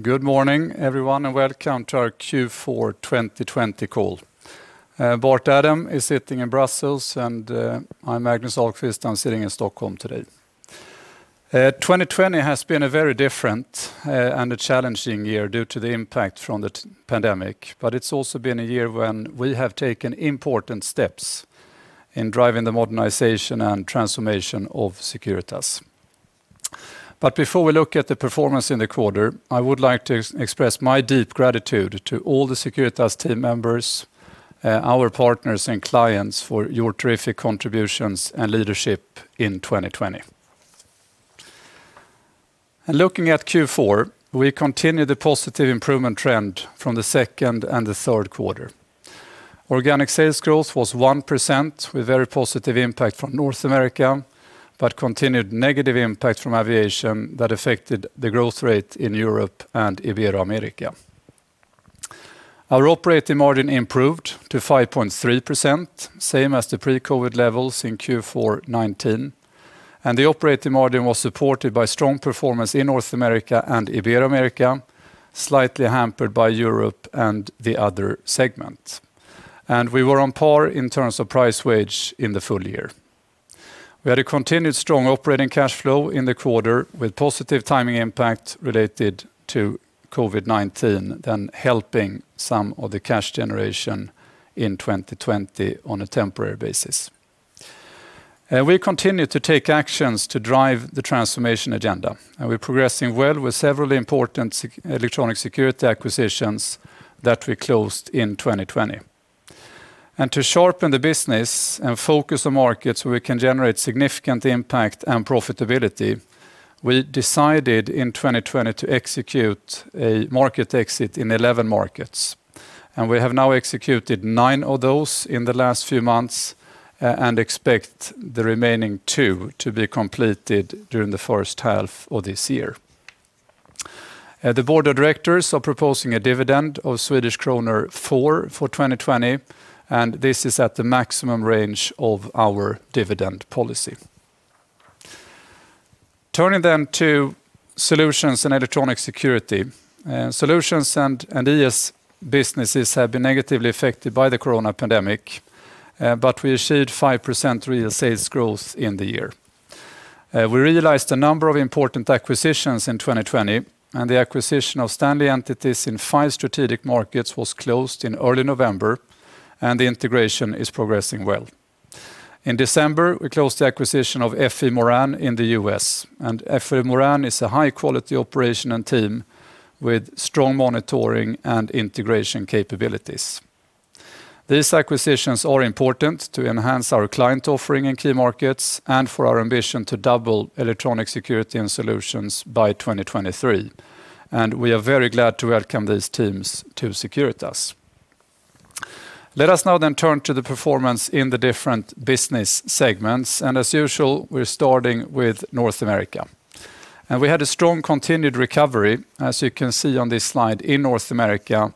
Good morning, everyone, and welcome to our Q4 2020 call. Bart Adam is sitting in Brussels, and I'm Magnus Ahlqvist, I'm sitting in Stockholm today. 2020 has been a very different and a challenging year due to the impact from the pandemic. It's also been a year when we have taken important steps in driving the modernization and transformation of Securitas. Before we look at the performance in the quarter, I would like to express my deep gratitude to all the Securitas team members, our partners and clients, for your terrific contributions and leadership in 2020. Looking at Q4, we continued the positive improvement trend from the second and the third quarter. Organic sales growth was 1%, with very positive impact from North America, continued negative impact from aviation that affected the growth rate in Europe and Ibero-America. Our operating margin improved to 5.3%, same as the pre-COVID levels in Q4 2019. The operating margin was supported by strong performance in North America and Ibero-America, slightly hampered by Europe and the other segment. We were on par in terms of price-wage in the full-year. We had a continued strong operating cash flow in the quarter, with positive timing impact related to COVID-19, then helping some of the cash generation in 2020 on a temporary basis. We continue to take actions to drive the transformation agenda. We're progressing well with several important electronic security acquisitions that we closed in 2020. To sharpen the business and focus on markets where we can generate significant impact and profitability, we decided in 2020 to execute a market exit in 11 markets. We have now executed nine of those in the last few months, and expect the remaining two to be completed during the first half of this year. The Board of Directors are proposing a dividend of Swedish kronor 4 for 2020, and this is at the maximum range of our dividend policy. Turning to Solutions and Electronic Security. Solutions and ES businesses have been negatively affected by the corona pandemic, but we achieved 5% real sales growth in the year. We realized a number of important acquisitions in 2020, and the acquisition of Stanley Entities in five strategic markets was closed in early November, and the integration is progressing well. In December, we closed the acquisition of F.E. Moran in the U.S.. F.E. Moran is a high-quality operation and team with strong monitoring and integration capabilities. These acquisitions are important to enhance our client offering in key markets and for our ambition to double electronic security and solutions by 2023. We are very glad to welcome these teams to Securitas. Let us now then turn to the performance in the different business segments. As usual, we're starting with North America. We had a strong continued recovery, as you can see on this slide, in North America,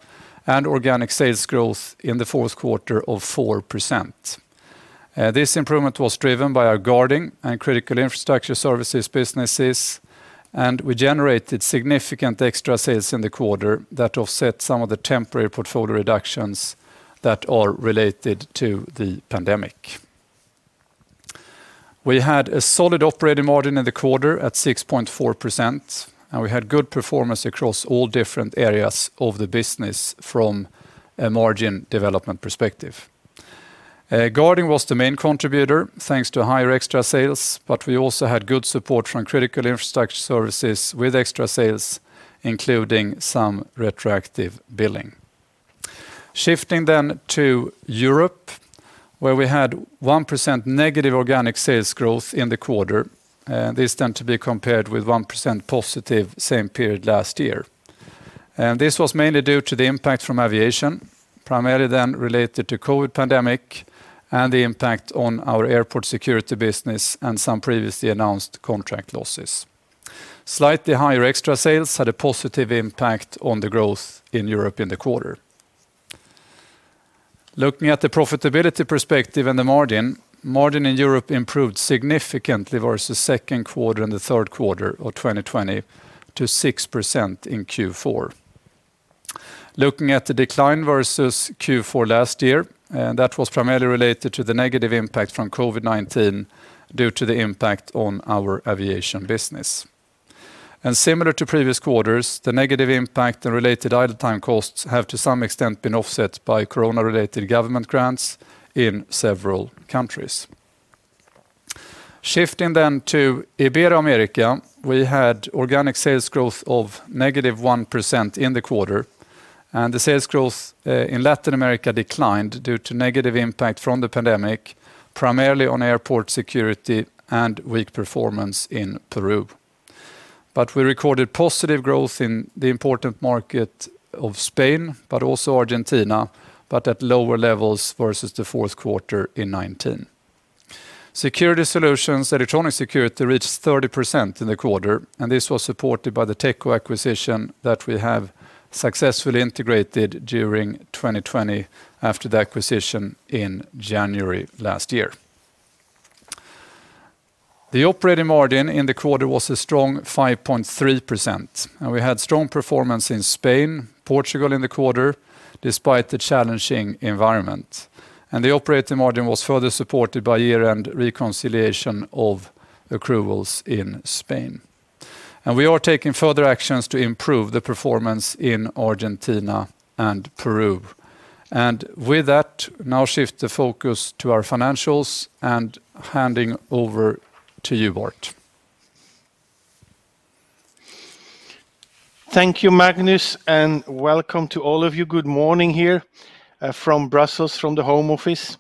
and organic sales growth in the fourth quarter of 4%. This improvement was driven by our Guarding and Critical Infrastructure Services businesses, and we generated significant extra sales in the quarter that offset some of the temporary portfolio reductions that are related to the pandemic. We had a solid operating margin in the quarter at 6.4%, and we had good performance across all different areas of the business from a margin development perspective. Guarding was the main contributor, thanks to higher extra sales, but we also had good support from Critical Infrastructure Services with extra sales, including some retroactive billing. Shifting to Europe, where we had -1% organic sales growth in the quarter. This to be compared with +1% same period last year. This was mainly due to the impact from aviation, primarily then related to COVID pandemic and the impact on our airport security business and some previously announced contract losses. Slightly higher extra sales had a positive impact on the growth in Europe in the quarter. Looking at the profitability perspective and the margin. Margin in Europe improved significantly versus second quarter and the third quarter of 2020 to 6% in Q4. Looking at the decline versus Q4 last year, that was primarily related to the negative impact from COVID-19 due to the impact on our Aviation business. Similar to previous quarters, the negative impact and related idle time costs have to some extent been offset by corona-related government grants in several countries. Shifting to Ibero-America, we had organic sales growth of -1% in the quarter, and the sales growth in Latin America declined due to negative impact from the pandemic, primarily on airport security and weak performance in Peru. We recorded positive growth in the important market of Spain, but also Argentina, but at lower levels versus the fourth quarter in 2019. Security solutions, electronic security reached 30% in the quarter. This was supported by the Techco acquisition that we have successfully integrated during 2020 after the acquisition in January last year. The operating margin in the quarter was a strong 5.3%. We had strong performance in Spain, Portugal in the quarter, despite the challenging environment. The operating margin was further supported by year-end reconciliation of accruals in Spain. We are taking further actions to improve the performance in Argentina and Peru. With that, now shift the focus to our financials and handing over to you, Bart. Thank you, Magnus. Welcome to all of you. Good morning here from Brussels, from the home office.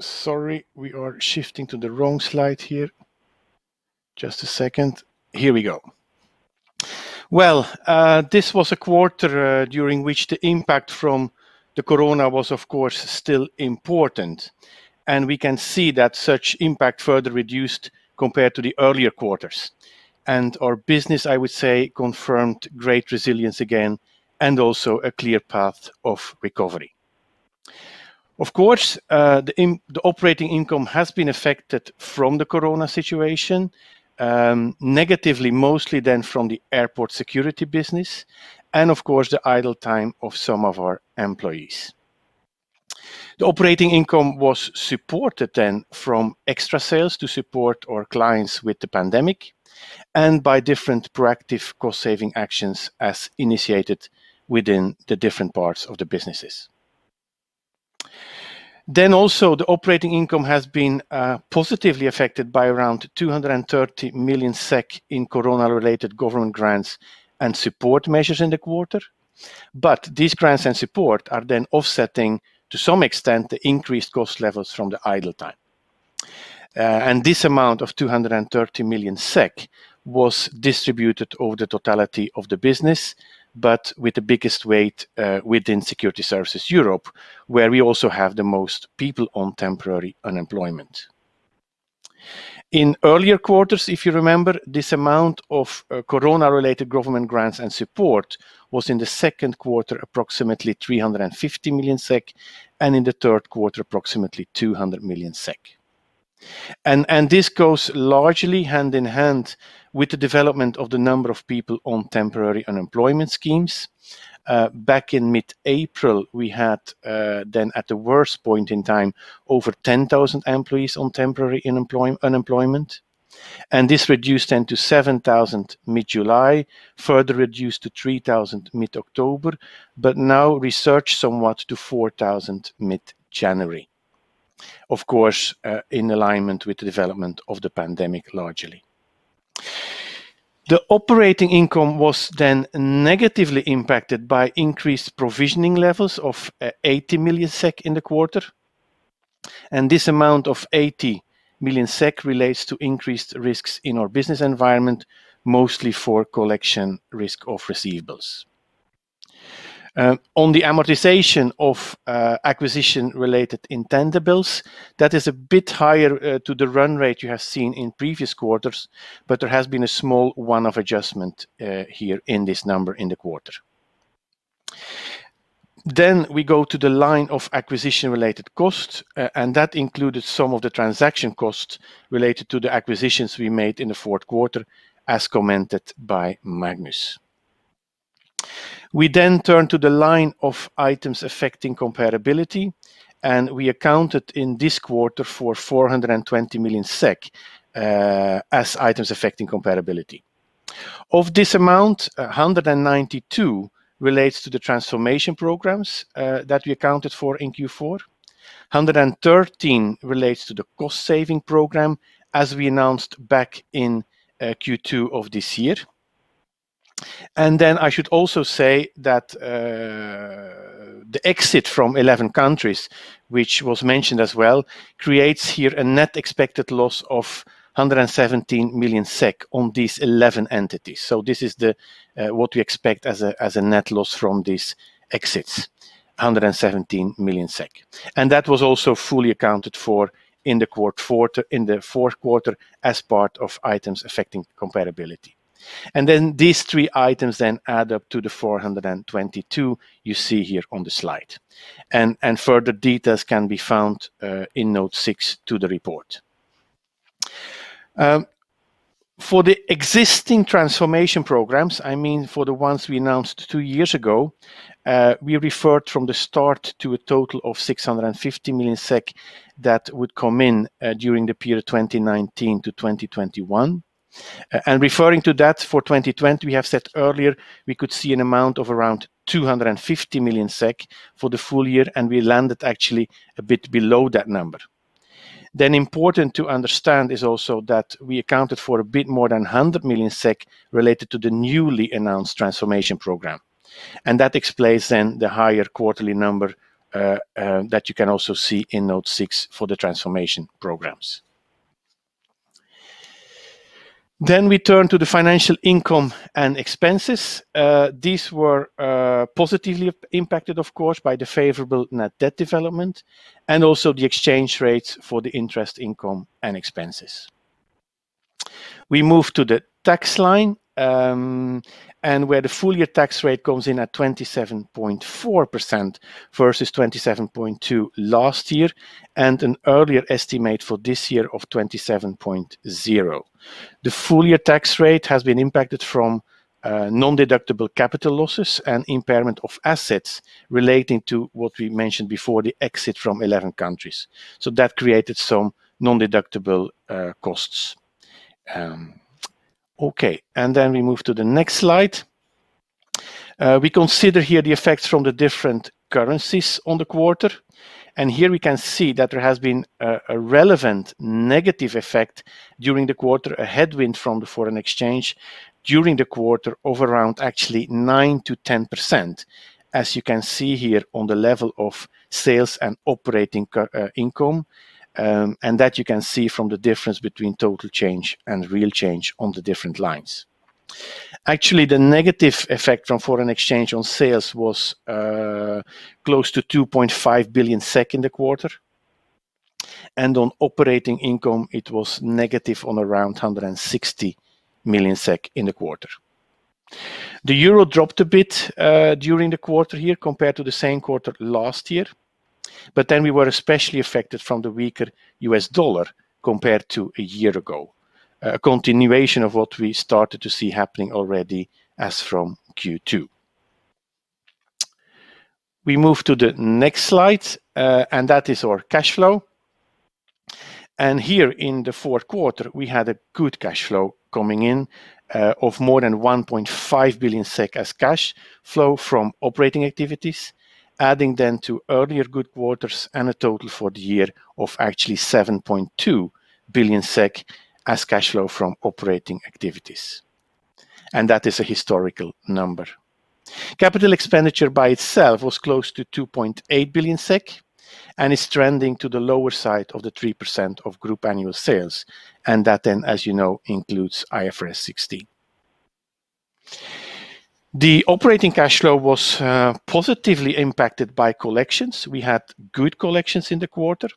Sorry, we are shifting to the wrong slide here. Just a second. Here we go. Well, this was a quarter during which the impact from the corona was, of course, still important. We can see that such impact further reduced compared to the earlier quarters. Our business, I would say, confirmed great resilience again, and also a clear path of recovery. Of course, the operating income has been affected from the corona situation, negatively mostly than from the Airport Security business, and of course, the idle time of some of our employees. The operating income was supported then from extra sales to support our clients with the pandemic and by different proactive cost-saving actions as initiated within the different parts of the businesses. The operating income has been positively affected by around 230 million SEK in corona-related government grants and support measures in the quarter. These grants and support are then offsetting, to some extent, the increased cost levels from the idle time. This amount of 230 million SEK was distributed over the totality of the business, but with the biggest weight within Security Services Europe, where we also have the most people on temporary unemployment. In earlier quarters, if you remember, this amount of corona-related government grants and support was in the second quarter, approximately 350 million SEK, and in the third quarter, approximately 200 million SEK. This goes largely hand-in-hand with the development of the number of people on temporary unemployment schemes. Back in mid-April, we had then at the worst point in time, over 10,000 employees on temporary unemployment. This reduced then to 7,000 mid-July, further reduced to 3,000 mid-October, but now resurged somewhat to 4,000 mid-January, of course, in alignment with the development of the pandemic, largely. The operating income was then negatively impacted by increased provisioning levels of 80 million SEK in the quarter. This amount of 80 million SEK relates to increased risks in our business environment, mostly for collection risk of receivables. On the amortization of acquisition-related intangibles, that is a bit higher to the run-rate you have seen in previous quarters, but there has been a small one-off adjustment here in this number in the quarter. We go to the line of acquisition related costs, and that included some of the transaction costs related to the acquisitions we made in the fourth quarter, as commented by Magnus. We turn to the line of Items Affecting Comparability, and we accounted in this quarter for 420 million SEK as Items Affecting Comparability. Of this amount, 192 million relates to the transformation programs that we accounted for in Q4. 113 million relates to the cost-saving program as we announced back in Q2 of this year. I should also say that the exit from 11 countries, which was mentioned as well, creates here a net expected loss of 117 million SEK on these 11 entities. This is what we expect as a net loss from these exits, 117 million SEK. That was also fully accounted for in the fourth quarter as part of Items Affecting Comparability. These three items then add up to the 422 million you see here on the slide. Further details can be found in note six to the report. For the existing transformation programs, I mean for the ones we announced two years ago, we referred from the start to a total of 650 million SEK that would come in during the period 2019-2021. Referring to that for 2020, we have said earlier we could see an amount of around 250 million SEK for the full-year, and we landed actually a bit below that number. Important to understand is also that we accounted for a bit more than 100 million SEK related to the newly announced transformation program. That explains then the higher quarterly number that you can also see in note six for the transformation programs. We turn to the financial income and expenses. These were positively impacted, of course, by the favorable net debt development and also the exchange rates for the interest income and expenses. We move to the tax line, where the full-year tax rate comes in at 27.4% versus 27.2% last year, an earlier estimate for this year of 27.0%. The full-year tax rate has been impacted from non-deductible capital losses and impairment of assets relating to what we mentioned before, the exit from 11 countries. That created some non-deductible costs. Okay. We move to the next slide. We consider here the effects from the different currencies on the quarter. Here we can see that there has been a relevant negative effect during the quarter, a headwind from the foreign exchange during the quarter of around actually 9%-10%, as you can see here on the level of sales and operating income. That you can see from the difference between total change and real change on the different lines. Actually, the negative effect from foreign exchange on sales was close to 2.5 billion in the quarter. On operating income, it was negative on around 160 million SEK in the quarter. The EUR dropped a bit during the quarter here compared to the same quarter last year. Then we were especially affected from the weaker U.S. dollar compared to a year ago. A continuation of what we started to see happening already as from Q2. We move to the next slide. That is our cash flow. Here in the fourth quarter, we had a good cash flow coming in of more than 1.5 billion SEK as cash flow from operating activities, adding then to earlier good quarters and a total for the year of actually 7.2 billion SEK as cash flow from operating activities. That is a historical number. Capital expenditure by itself was close to 2.8 billion SEK and is trending to the lower side of the 3% of group annual sales, and that then, as you know, includes IFRS 16. The operating cash flow was positively impacted by collections. We had good collections in the quarter,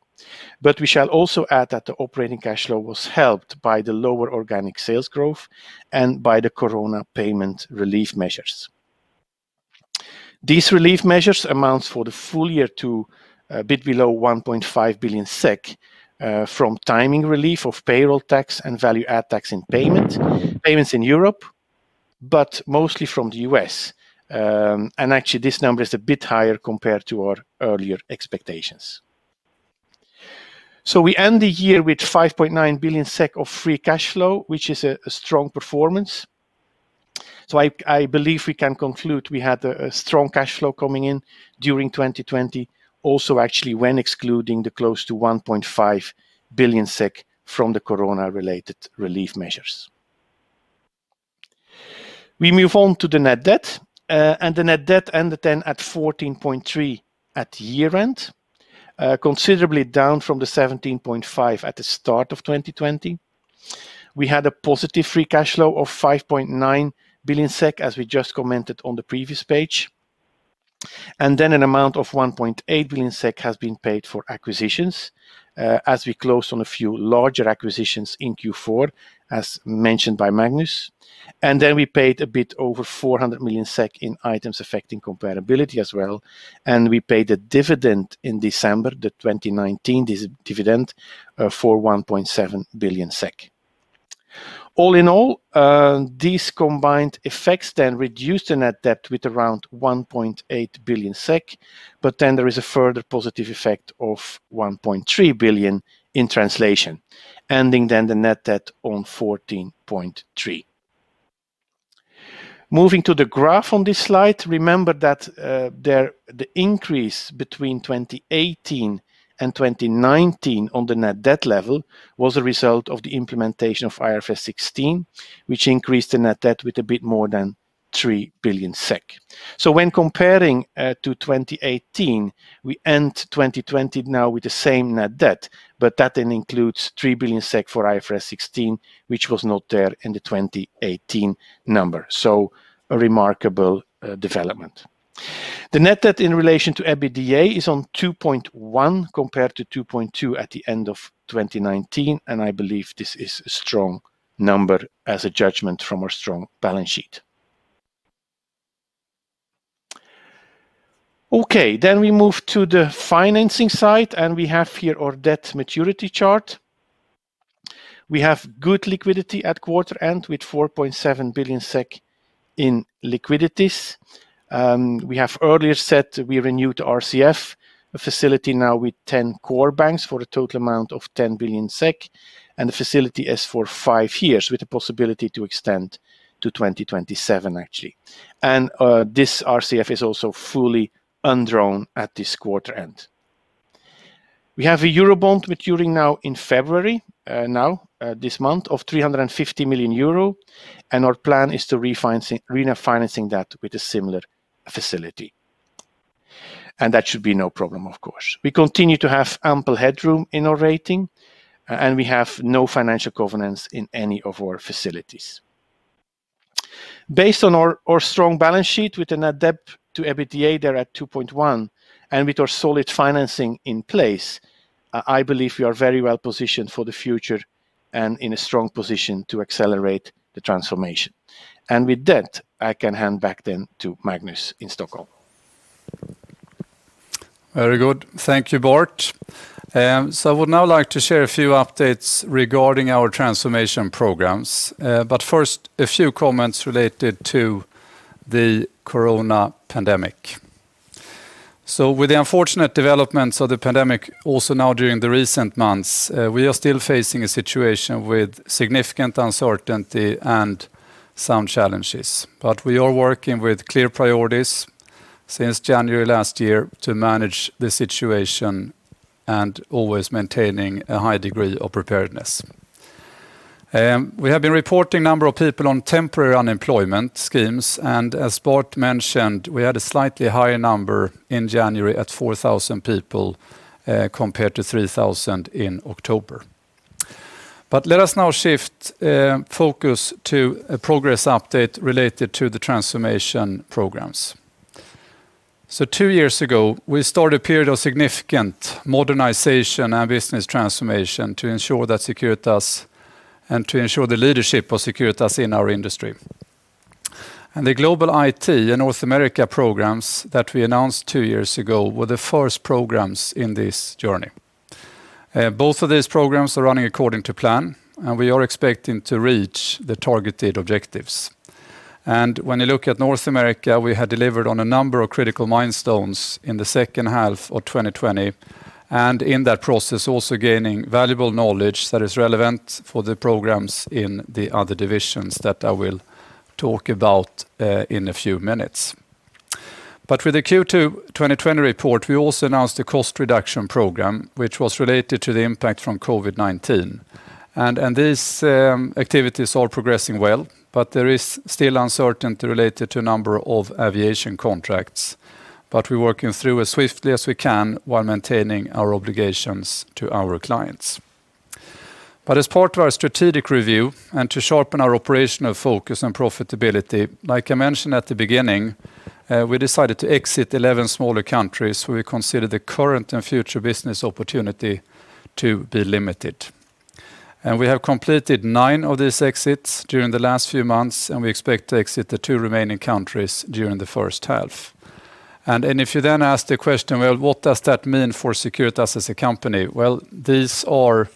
but we shall also add that the operating cash flow was helped by the lower organic sales growth and by the corona payment relief measures. These relief measures amounts for the full-year to a bit below 1.5 billion SEK from timing relief of payroll tax and value-add tax in payments in Europe, mostly from the U.S. Actually, this number is a bit higher compared to our earlier expectations. We end the year with 5.9 billion SEK of free cash flow, which is a strong performance. I believe we can conclude we had a strong cash flow coming in during 2020, also actually when excluding the close to 1.5 billion SEK from the corona-related relief measures. We move on to the net debt, the net debt ended then at 14.3 billion at year-end, considerably down from the 17.5 billion SEK at the start of 2020. We had a positive free cash flow of 5.9 billion SEK, as we just commented on the previous page. An amount of 1.8 billion SEK has been paid for acquisitions, as we closed on a few larger acquisitions in Q4, as mentioned by Magnus. We paid a bit over 400 million SEK in Items Affecting Comparability as well, and we paid a dividend in December, the 2019 dividend for 1.7 billion SEK. All in all, these combined effects then reduced the net debt with around 1.8 billion SEK, there is a further positive effect of 1.3 billion in translation, ending then the net debt on 14.3 billion. Moving to the graph on this slide, remember that the increase between 2018 and 2019 on the net debt level was a result of the implementation of IFRS 16, which increased the net debt with a bit more than 3 billion SEK. When comparing to 2018, we end 2020 now with the same net debt, but that then includes 3 billion SEK for IFRS 16, which was not there in the 2018 number. The net debt in relation to EBITDA is on 2.1% compared to 2.2% at the end of 2019, and I believe this is a strong number as a judgment from our strong balance sheet. Okay, we move to the financing side, and we have here our debt maturity chart. We have good liquidity at quarter-end with 4.7 billion SEK in liquidities. We have earlier said we renewed RCF, a facility now with 10 core banks for a total amount of 10 billion SEK, and the facility is for five years, with the possibility to extend to 2027, actually. This RCF is also fully undrawn at this quarter-end. We have a Eurobond maturing now in February, now, this month, of 350 million euro, and our plan is to refinancing that with a similar facility. That should be no problem, of course. We continue to have ample headroom in our rating, and we have no financial covenants in any of our facilities. Based on our strong balance sheet with a net debt-to-EBITDA there at 2.1% and with our solid financing in place, I believe we are very well positioned for the future and in a strong position to accelerate the transformation. With that, I can hand back then to Magnus in Stockholm. Very good. Thank you, Bart. I would now like to share a few updates regarding our transformation programs. First, a few comments related to the corona pandemic. With the unfortunate developments of the pandemic also now during the recent months, we are still facing a situation with significant uncertainty and some challenges. We are working with clear priorities since January last year to manage the situation and always maintaining a high degree of preparedness. We have been reporting number of people on temporary unemployment schemes, and as Bart mentioned, we had a slightly higher number in January at 4,000 people, compared to 3,000 in October. Let us now shift focus to a progress update related to the transformation programs. Two years ago, we started a period of significant modernization and business transformation to ensure that Securitas and to ensure the leadership of Securitas in our industry. The global IT and North America programs that we announced two years ago were the first programs in this journey. Both of these programs are running according to plan, and we are expecting to reach the targeted objectives. When you look at North America, we had delivered on a number of critical milestones in the second half of 2020, and in that process also gaining valuable knowledge that is relevant for the programs in the other divisions that I will talk about in a few minutes. With the Q2 2020 report, we also announced a cost reduction program, which was related to the impact from COVID-19. These activities are progressing well, there is still uncertainty related to a number of aviation contracts. We're working through as swiftly as we can while maintaining our obligations to our clients. As part of our strategic review and to sharpen our operational focus and profitability, like I mentioned at the beginning, we decided to exit 11 smaller countries where we consider the current and future business opportunity to be limited. We have completed nine of these exits during the last few months, and we expect to exit the two remaining countries during the first half. If you then ask the question, well, what does that mean for Securitas as a company? Well, these are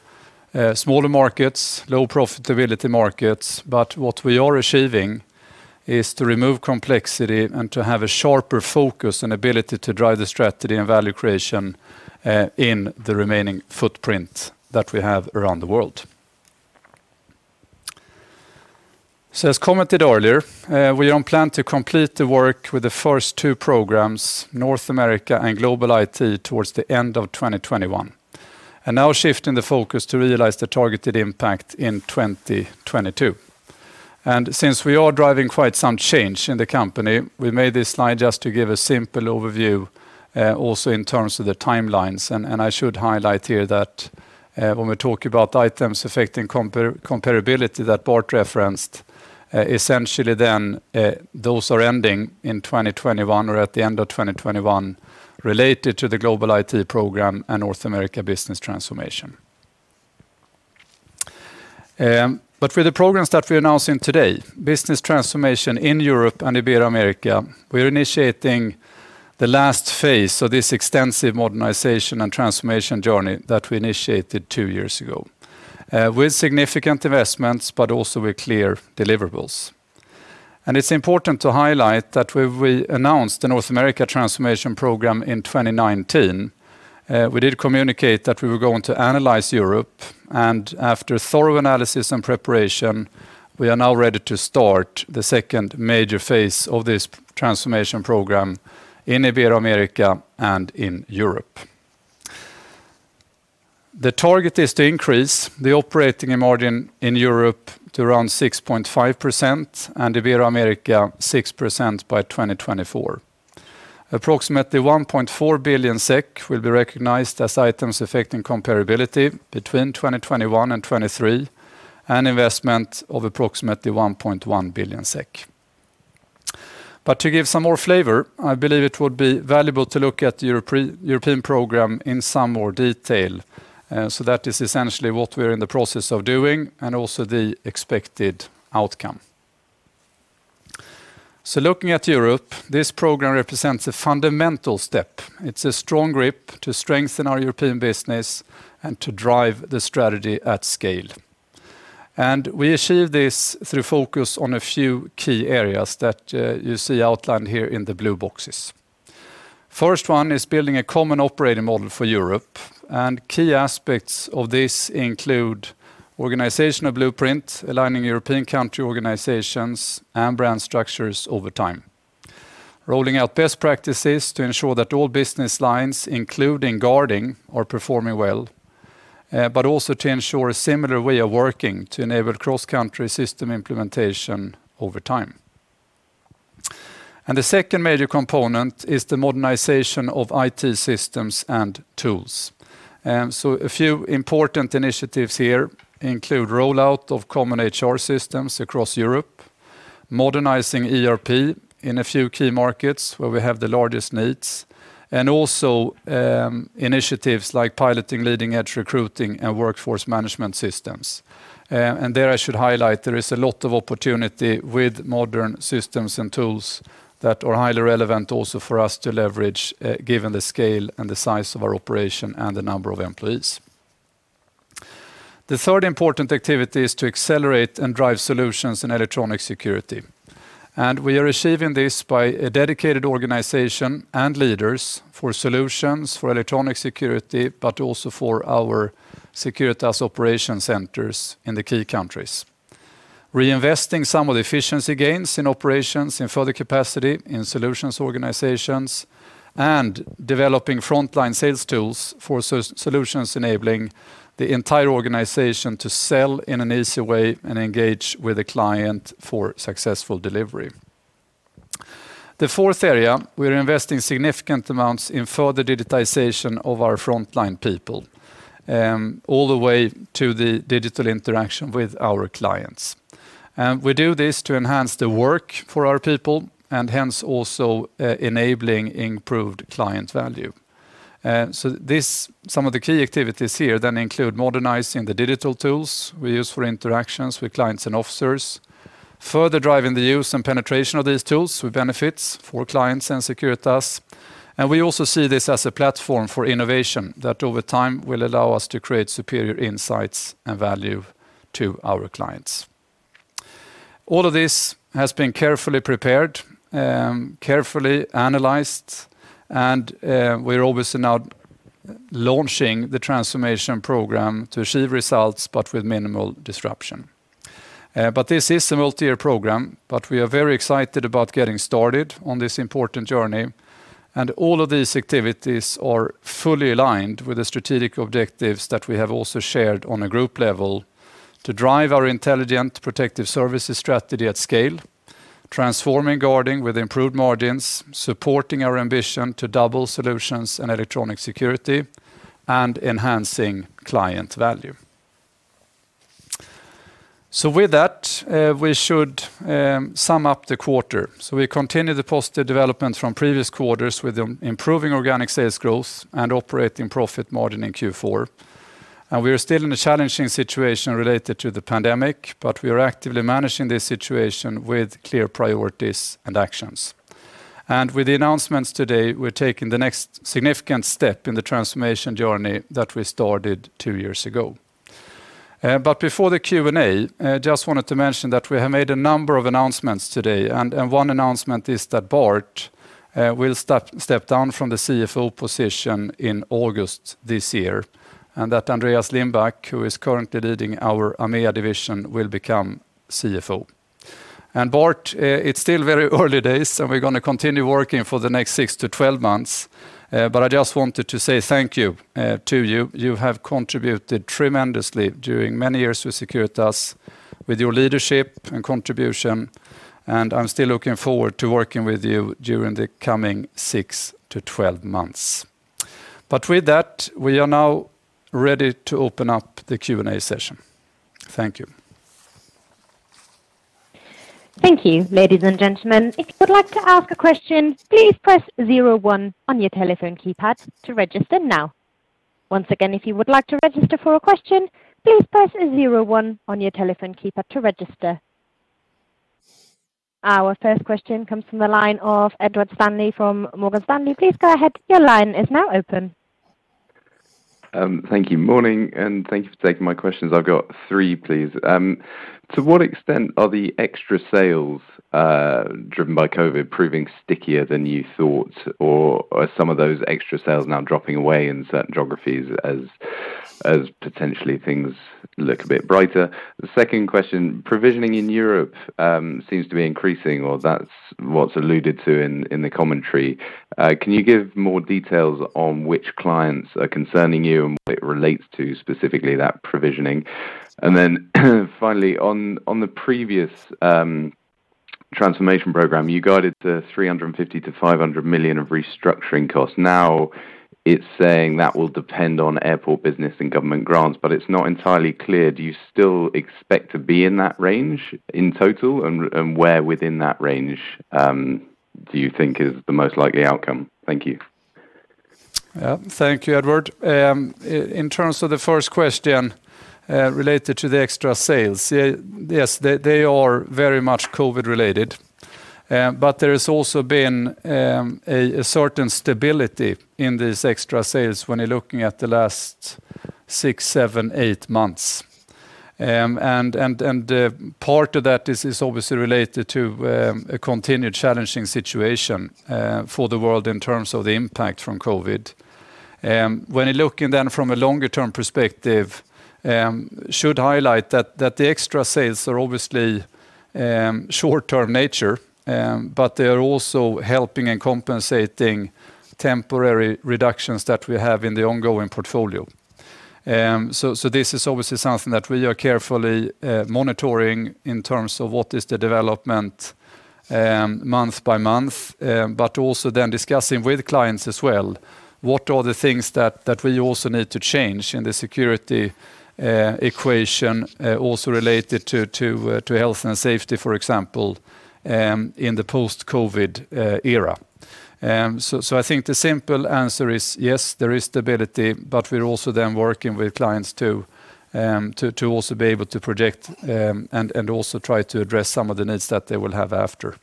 smaller markets, low profitability markets. What we are achieving is to remove complexity and to have a sharper focus and ability to drive the strategy and value creation, in the remaining footprint that we have around the world. As commented earlier, we are on plan to complete the work with the first two programs, North America and global IT, towards the end of 2021. Now shifting the focus to realize the targeted impact in 2022. Since we are driving quite some change in the company, we made this slide just to give a simple overview, also in terms of the timelines. I should highlight here that when we talk about items affecting comparability that Bart referenced, essentially then those are ending in 2021 or at the end of 2021 related to the global IT program and North America business transformation. For the programs that we're announcing today, business transformation in Europe and Ibero-America, we are initiating the last phase of this extensive modernization and transformation journey that we initiated two years ago, with significant investments, but also with clear deliverables. It's important to highlight that when we announced the North America Transformation Program in 2019, we did communicate that we were going to analyze Europe, and after thorough analysis and preparation, we are now ready to start the second major phase of this transformation program in Ibero-America and in Europe. The target is to increase the operating margin in Europe to around 6.5% and Ibero-America 6% by 2024. Approximately 1.4 billion SEK will be recognized as items affecting comparability between 2021 and 2023, an investment of approximately 1.1 billion SEK. To give some more flavor, I believe it would be valuable to look at the European program in some more detail. That is essentially what we're in the process of doing and also the expected outcome. Looking at Europe, this program represents a fundamental step. It's a strong grip to strengthen our European business and to drive the strategy at scale. We achieve this through focus on a few key areas that you see outlined here in the blue boxes. First one is building a common operating model for Europe, and key aspects of this include organizational blueprint, aligning European country organizations and brand structures over time. Rolling out best practices to ensure that all business lines, including guarding, are performing well, but also to ensure a similar way of working to enable cross-country system implementation over time. The second major component is the modernization of IT systems and tools. A few important initiatives here include rollout of common HR systems across Europe, modernizing ERP in a few key markets where we have the largest needs, and also initiatives like piloting leading-edge recruiting and workforce management systems. There I should highlight there is a lot of opportunity with modern systems and tools that are highly relevant also for us to leverage given the scale and the size of our operation and the number of employees. The third important activity is to accelerate and drive solutions in electronic security. We are achieving this by a dedicated organization and leaders for solutions for electronic security, but also for our Securitas Operations Centers in the key countries. Reinvesting some of the efficiency gains in operations in further capacity in solutions organizations, and developing frontline sales tools for solutions enabling the entire organization to sell in an easy way and engage with a client for successful delivery. The fourth area, we're investing significant amounts in further digitization of our frontline people, all the way to the digital interaction with our clients. We do this to enhance the work for our people and hence also enabling improved client value. Some of the key activities here then include modernizing the digital tools we use for interactions with clients and officers, further driving the use and penetration of these tools with benefits for clients and Securitas. We also see this as a platform for innovation that over time will allow us to create superior insights and value to our clients. All of this has been carefully prepared, carefully analyzed, and we're obviously now launching the transformation program to achieve results but with minimal disruption. This is a multi-year program, but we are very excited about getting started on this important journey, and all of these activities are fully aligned with the strategic objectives that we have also shared on a group level to drive our intelligent protective services strategy at scale, transforming guarding with improved margins, supporting our ambition to double solutions and electronic security, and enhancing client value. With that, we should sum up the quarter. We continue the positive development from previous quarters with improving organic sales growth and operating profit margin in Q4. We are still in a challenging situation related to the pandemic, but we are actively managing this situation with clear priorities and actions. With the announcements today, we're taking the next significant step in the transformation journey that we started two years ago. Before the Q&A, just wanted to mention that we have made a number of announcements today, and one announcement is that Bart will step down from the CFO position in August this year, and that Andreas Lindback, who is currently leading our AMEA division, will become CFO. Bart, it's still very early days, so we're going to continue working for the next 6 to 12 months, but I just wanted to say thank you to you. You have contributed tremendously during many years with Securitas with your leadership and contribution, and I'm still looking forward to working with you during the coming 6 to 12 months. With that, we are now ready to open up the Q&A session. Thank you. Thank you. Ladies and gentlemen, if you would like to ask a question, please press zero one on your telephone keypad to register now. Once again, if you would like to register for a question, please press zero one on your telephone keypad to register. Our first question comes from the line of Edward Stanley from Morgan Stanley. Please go ahead. Your line is now open. Thank you. Morning, and thank you for taking my questions. I've got three, please. To what extent are the extra sales driven by COVID proving stickier than you thought? Are some of those extra sales now dropping away in certain geographies as potentially things look a bit brighter? The second question, provisioning in Europe seems to be increasing, or that's what's alluded to in the commentary. Can you give more details on which clients are concerning you and what it relates to specifically that provisioning? Then finally, on the previous transformation program, you guided the 350 million-500 million of restructuring costs. It's saying that will depend on airport business and government grants, but it's not entirely clear. Do you still expect to be in that range in total? Where within that range do you think is the most likely outcome? Thank you. Thank you, Edward. In terms of the first question related to the extra sales, yes, they are very much COVID related. There has also been a certain stability in these extra sales when you're looking at the last six, seven, eight months. Part of that is obviously related to a continued challenging situation for the world in terms of the impact from COVID. When you're looking then from a longer-term perspective, we should highlight that the extra sales are obviously short-term nature, but they are also helping and compensating temporary reductions that we have in the ongoing portfolio. This is obviously something that we are carefully monitoring in terms of what is the development month-by-month, but also then discussing with clients as well, what are the things that we also need to change in the security equation also related to health and safety, for example in the post-COVID era. I think the simple answer is yes, there is stability, but we are also then working with clients to also be able to project and also try to address some of the needs that they will have after.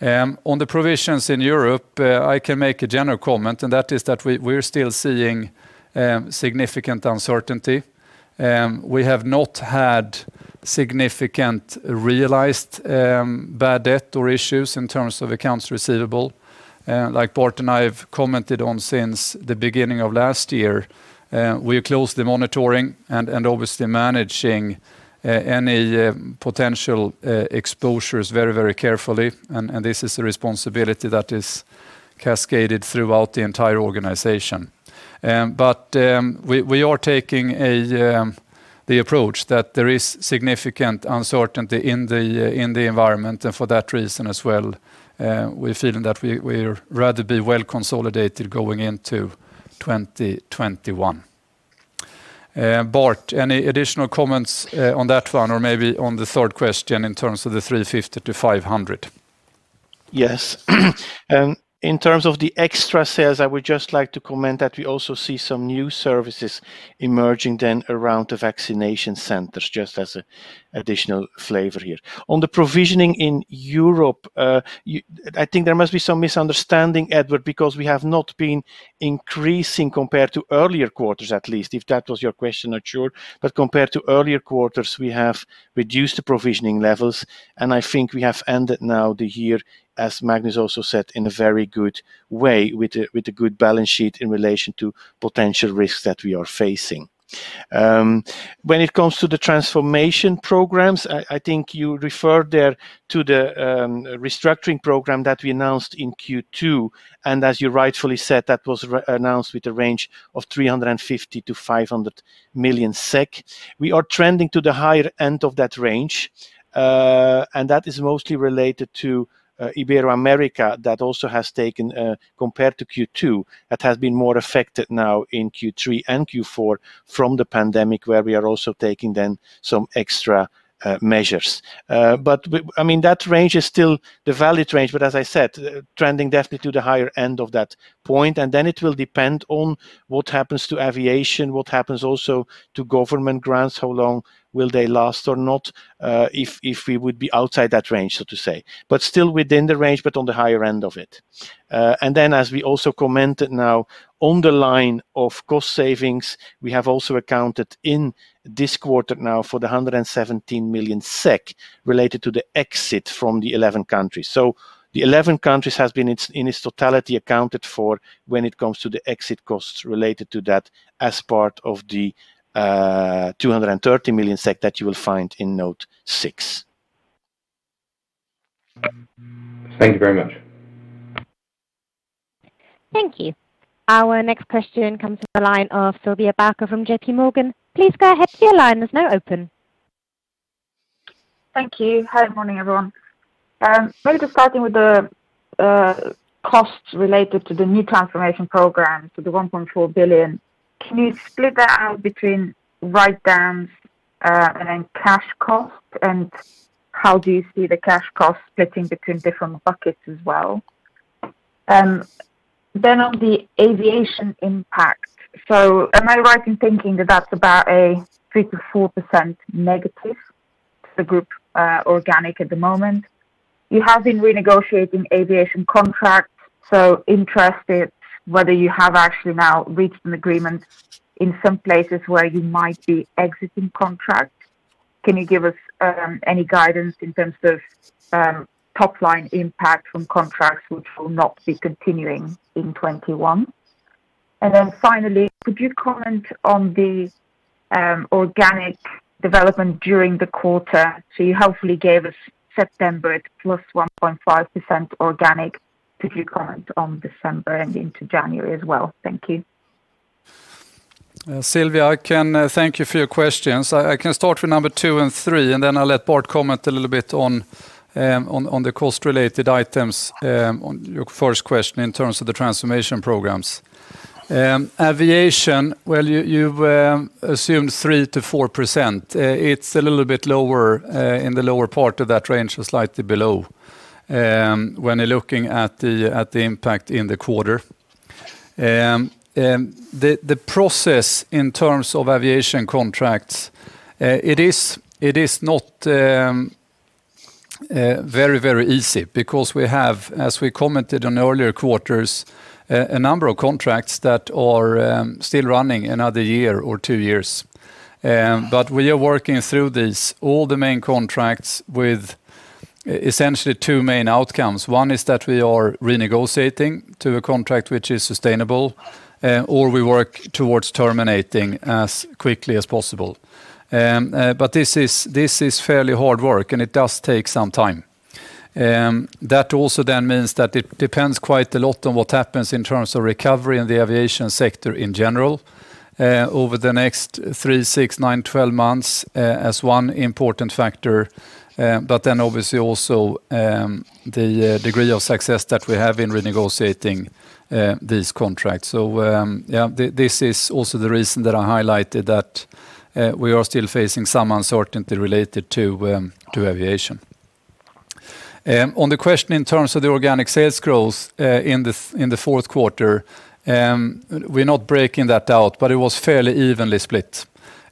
On the provisions in Europe, I can make a general comment. That is that we are still seeing significant uncertainty. We have not had significant realized bad debt or issues in terms of accounts receivable. Like Bart and I have commented on since the beginning of last year, we are closely monitoring and obviously managing any potential exposures very carefully. This is a responsibility that is cascaded throughout the entire organization. We are taking the approach that there is significant uncertainty in the environment. For that reason as well, we are feeling that we'd rather be well-consolidated going into 2021. Bart, any additional comments on that one or maybe on the third question in terms of the 350 million-500 million? Yes. In terms of the extra sales, I would just like to comment that we also see some new services emerging then around the vaccination centers, just as additional flavor here. On the provisioning in Europe, I think there must be some misunderstanding, Edward, because we have not been increasing compared to earlier quarters, at least, if that was your question, not sure. Compared to earlier quarters, we have reduced the provisioning levels, and I think we have ended now the year, as Magnus also said, in a very good way with a good balance sheet in relation to potential risks that we are facing. When it comes to the transformation programs, I think you referred there to the restructuring program that we announced in Q2, and as you rightfully said, that was announced with a range of 350 million-500 million SEK. We are trending to the higher end of that range. That is mostly related to Ibero-America, that also has taken, compared to Q2, that has been more affected now in Q3 and Q4 from the pandemic, where we are also taking then some extra measures. That range is still the valid range, but as I said, trending definitely to the higher end of that point, and then it will depend on what happens to aviation, what happens also to government grants, how long will they last or not, if we would be outside that range, so to say, but still within the range, but on the higher end of it. Then as we also commented now on the line of cost savings, we have also accounted in this quarter now for the 117 million SEK related to the exit from the 11 countries. The 11 countries has been in its totality accounted for when it comes to the exit costs related to that as part of the 230 million SEK that you will find in note six. Thank you very much. Thank you. Our next question comes from the line of Sylvia Barker from JPMorgan. Please go ahead. Thank you. Hi, morning everyone. Maybe starting with the costs related to the new transformation program, so the 1.4 billion. Can you split that out between writedowns and then cash costs? How do you see the cash cost splitting between different buckets as well? On the aviation impact. Am I right in thinking that that's about a -3% to-4% to the group organic at the moment? You have been renegotiating aviation contracts, so interested whether you have actually now reached an agreement in some places where you might be exiting contracts. Can you give us any guidance in terms of top-line impact from contracts which will not be continuing in 2021? Finally, could you comment on the organic development during the quarter? You helpfully gave us September at +1.5% organic. Could you comment on December and into January as well? Thank you. Sylvia, thank you for your questions. I can start with number two and three, then I'll let Bart comment a little bit on the cost-related items on your first question in terms of the transformation programs. Aviation, you've assumed 3%-4%. It's a little bit lower, in the lower part of that range or slightly below when you're looking at the impact in the quarter. The process in terms of aviation contracts, it is not very easy because we have, as we commented on earlier quarters, a number of contracts that are still running another year or two years. We are working through this. All the main contracts with essentially two main outcomes. One is that we are renegotiating to a contract which is sustainable, or we work towards terminating as quickly as possible. This is fairly hard work, and it does take some time. That also means that it depends quite a lot on what happens in terms of recovery in the aviation sector in general over the next 3, 6, 9, 12 months as one important factor. Obviously also the degree of success that we have in renegotiating these contracts. Yeah, this is also the reason that I highlighted that we are still facing some uncertainty related to aviation. On the question in terms of the organic sales growth in the fourth quarter, we're not breaking that out, but it was fairly evenly split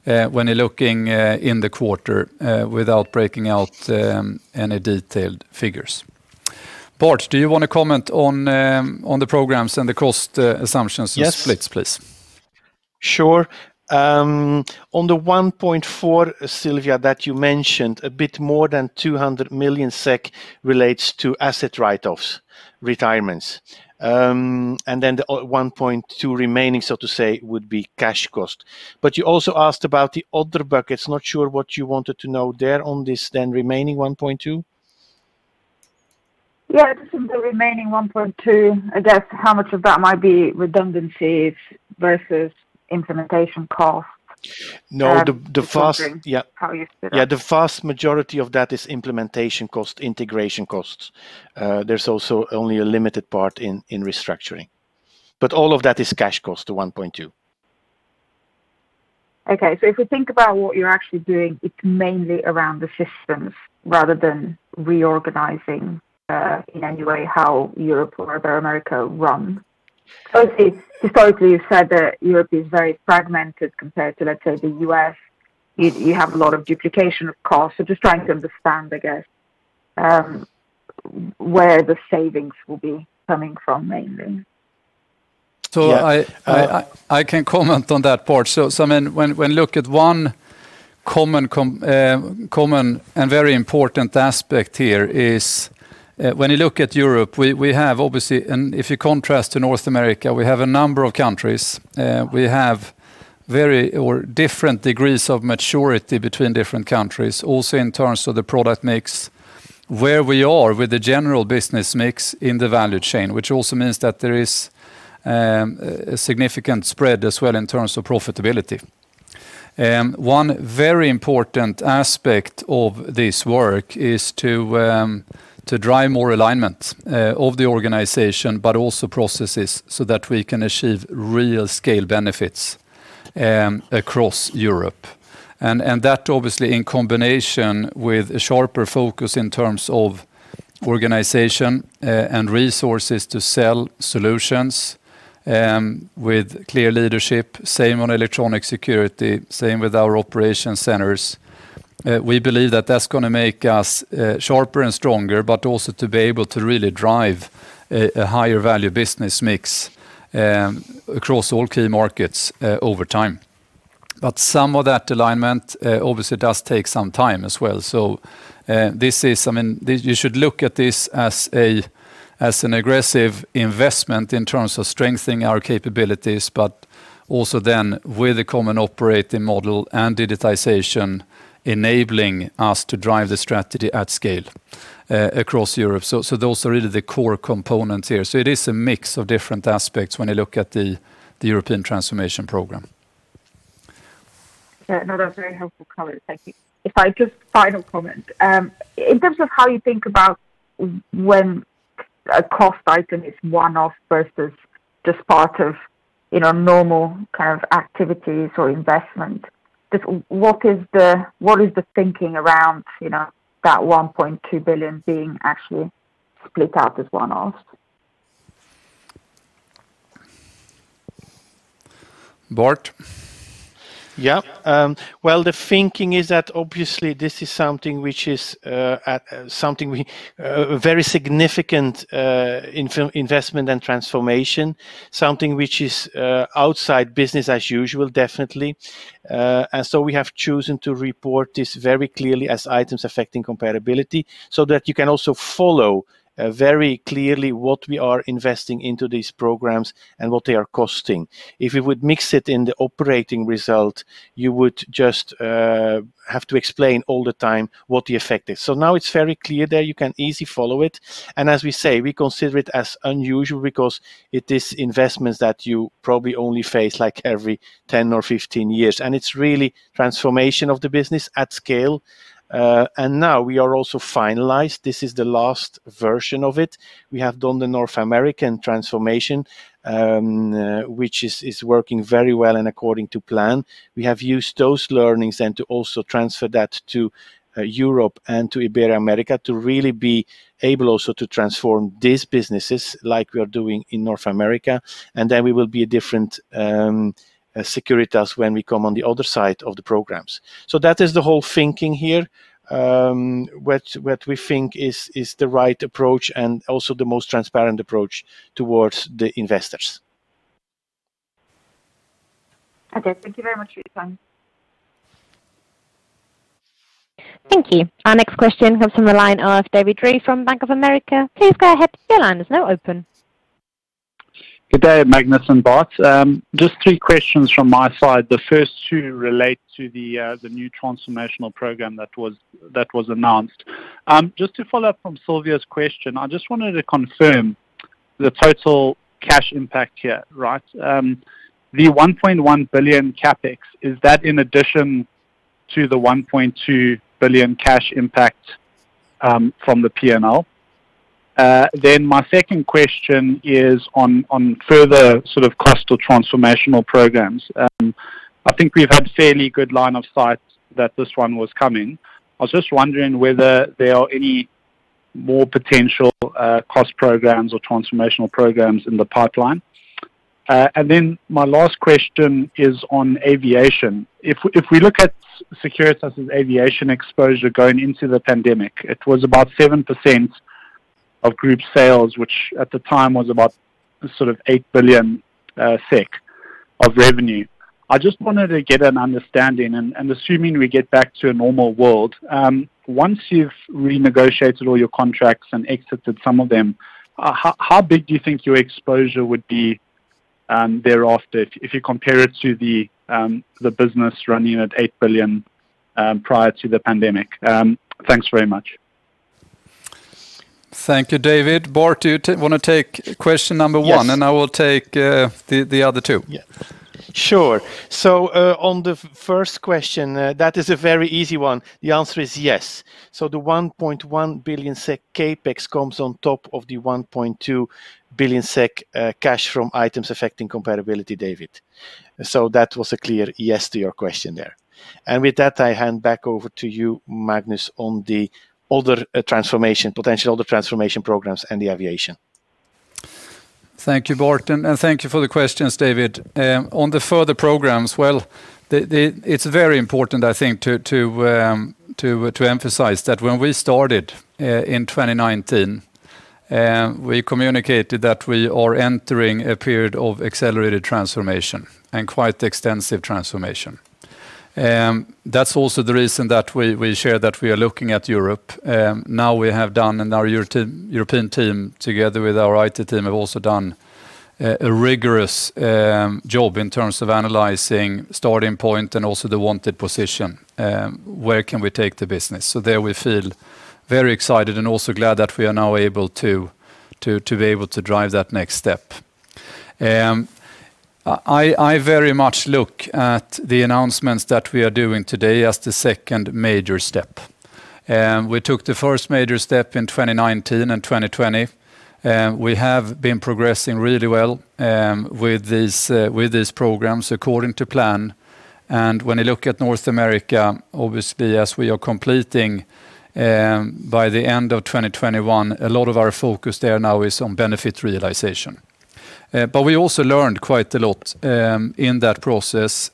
when you're looking in the quarter without breaking out any detailed figures. Bart, do you want to comment on the programs and the cost assumptions Yes splits, please? Sure. On the 1.4 billion, Sylvia, that you mentioned, a bit more than 200 million SEK relates to asset write-offs, retirements. The 1.2 billion remaining, so to say, would be cash cost. You also asked about the other buckets. Not sure what you wanted to know there on this then remaining 1.2 billion? Yeah, just on the remaining 1.2 billion, I guess how much of that might be redundancies versus implementation costs? No. I'm wondering how you split up? The vast majority of that is implementation cost, integration costs. There's also only a limited part in restructuring. All of that is cash cost to 1.2 billion. If we think about what you're actually doing, it's mainly around the systems rather than reorganizing, in any way, how Europe or Ibero-America run. Historically, you've said that Europe is very fragmented compared to, let's say, the U.S. You have a lot of duplication of costs. Just trying to understand, I guess, where the savings will be coming from mainly. I can comment on that part. When look at one common and very important aspect here is when you look at Europe, we have, obviously, and if you contrast to North America, we have a number of countries. We have different degrees of maturity between different countries, also in terms of the product mix, where we are with the general business mix in the value chain, which also means that there is a significant spread as well in terms of profitability. One very important aspect of this work is to drive more alignment of the organization, but also processes so that we can achieve real scale benefits across Europe. That obviously in combination with a sharper focus in terms of organization and resources to sell solutions, with clear leadership, same on electronic security, same with our Securitas Operations Centers. We believe that that's going to make us sharper and stronger, but also to be able to really drive a higher value business mix across all key markets over time. Some of that alignment obviously does take some time as well. You should look at this as an aggressive investment in terms of strengthening our capabilities, but also then with a common operating model and digitization enabling us to drive the strategy at scale across Europe. Those are really the core components here. It is a mix of different aspects when you look at the European transformation program. Yeah. No, that's very helpful comment. Thank you. If I just final comment. In terms of how you think about when a cost item is one-off versus just part of normal kind of activities or investment, just what is the thinking around that 1.2 billion being actually split out as one-offs? Bart? Yeah. Well, the thinking is that obviously this is something which is very significant investment and transformation, something which is outside business as usual, definitely. We have chosen to report this very clearly as Items Affecting Comparability, so that you can also follow very clearly what we are investing into these programs and what they are costing. If we would mix it in the operating result, you would just have to explain all the time what the effect is. Now it's very clear there, you can easily follow it. As we say, we consider it as unusual because it is investments that you probably only face like every 10 or 15 years, and it's really transformation of the business at scale. Now we are also finalized. This is the last version of it. We have done the North American transformation, which is working very well and according to plan. We have used those learnings then to also transfer that to Europe and to Ibero-America to really be able also to transform these businesses like we are doing in North America. Then we will be a different Securitas when we come on the other side of the programs. That is the whole thinking here, what we think is the right approach and also the most transparent approach towards the investors. Okay. Thank you very much for your time. Thank you. Our next question comes from the line of [David Drey] from Bank of America. Please go ahead. Good day, Magnus and Bart. Just three questions from my side. The first two relate to the new transformational program that was announced. Just to follow up from Sylvia's question, I just wanted to confirm the total cash impact here, right? The 1.1 billion CapEx, is that in addition to the 1.2 billion cash impact from the P&L? My second question is on further cost or transformational programs. I think we've had a fairly good line of sight that this one was coming. I was just wondering whether there are any more potential cost programs or transformational programs in the pipeline. My last question is on Aviation. If we look at Securitas' aviation exposure going into the pandemic, it was about 7% of group sales, which at the time was about 8 billion SEK of revenue. I just wanted to get an understanding, and assuming we get back to a normal world, once you've renegotiated all your contracts and exited some of them, how big do you think your exposure would be thereafter if you compare it to the business running at 8 billion prior to the pandemic? Thanks very much. Thank you, [David]. Bart, do you want to take question number one? Yes. I will take the other two. Yeah. Sure. On the first question, that is a very easy one. The answer is yes. The 1.1 billion SEK CapEx comes on top of the 1.2 billion SEK cash from items affecting comparability, [David]. That was a clear yes to your question there. With that, I hand back over to you, Magnus, on the other potential transformation programs and the aviation. Thank you, Bart. Thank you for the questions, [David]. On the further programs, well, it's very important, I think, to emphasize that when we started in 2019, we communicated that we are entering a period of accelerated transformation and quite extensive transformation. That's also the reason that we share that we are looking at Europe. Our European team, together with our IT team, have also done a rigorous job in terms of analyzing starting point and also the wanted position. Where can we take the business? There we feel very excited and also glad that we are now able to drive that next step. I very much look at the announcements that we are doing today as the second major step. We took the first major step in 2019 and 2020. We have been progressing really well with these programs according to plan. When you look at North America, obviously, as we are completing by the end of 2021, a lot of our focus there now is on benefit realization. We also learned quite a lot in that process.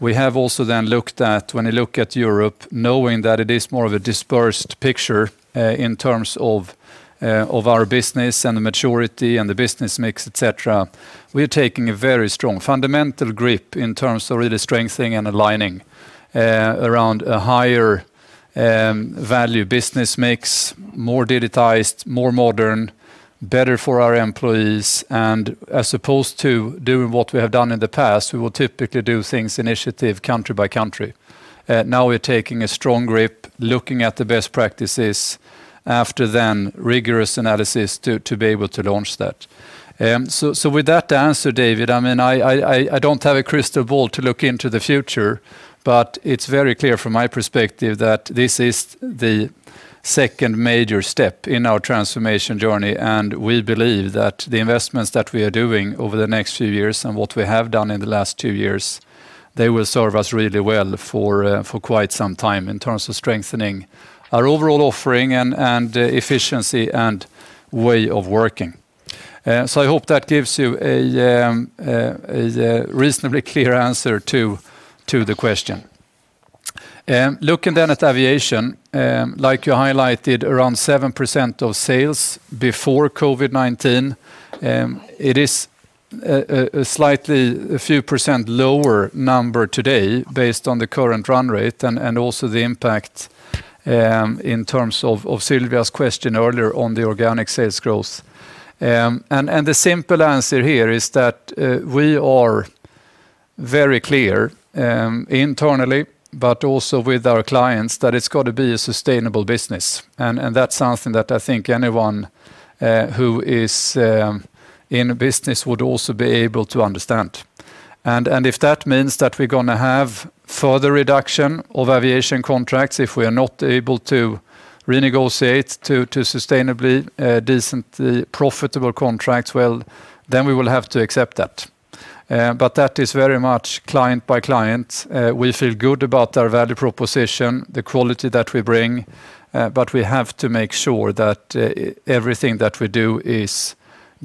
We have also then looked at when you look at Europe, knowing that it is more of a dispersed picture in terms of our business and the maturity and the business mix, et cetera. We're taking a very strong fundamental grip in terms of really strengthening and aligning around a higher value business mix, more digitized, more modern, better for our employees, and as opposed to doing what we have done in the past, we will typically do things initiative country by country. Now we're taking a strong grip, looking at the best practices after then rigorous analysis to be able to launch that. With that answer, [David], I don't have a crystal ball to look into the future, but it's very clear from my perspective that this is the second major step in our transformation journey, and we believe that the investments that we are doing over the next few years and what we have done in the last two years, they will serve us really well for quite some time in terms of strengthening our overall offering and efficiency and way of working. I hope that gives you a reasonably clear answer to the question. Looking at aviation, like you highlighted, around 7% of sales before COVID-19. It is a slightly few percent lower number today based on the current run rate and also the impact in terms of Sylvia's question earlier on the organic sales growth. The simple answer here is that we are very clear internally, but also with our clients that it's got to be a sustainable business. That's something that I think anyone who is in business would also be able to understand. If that means that we're going to have further reduction of aviation contracts, if we are not able to renegotiate to sustainably decently profitable contracts, well, then we will have to accept that. That is very much client by client. We feel good about our value proposition, the quality that we bring, but we have to make sure that everything that we do is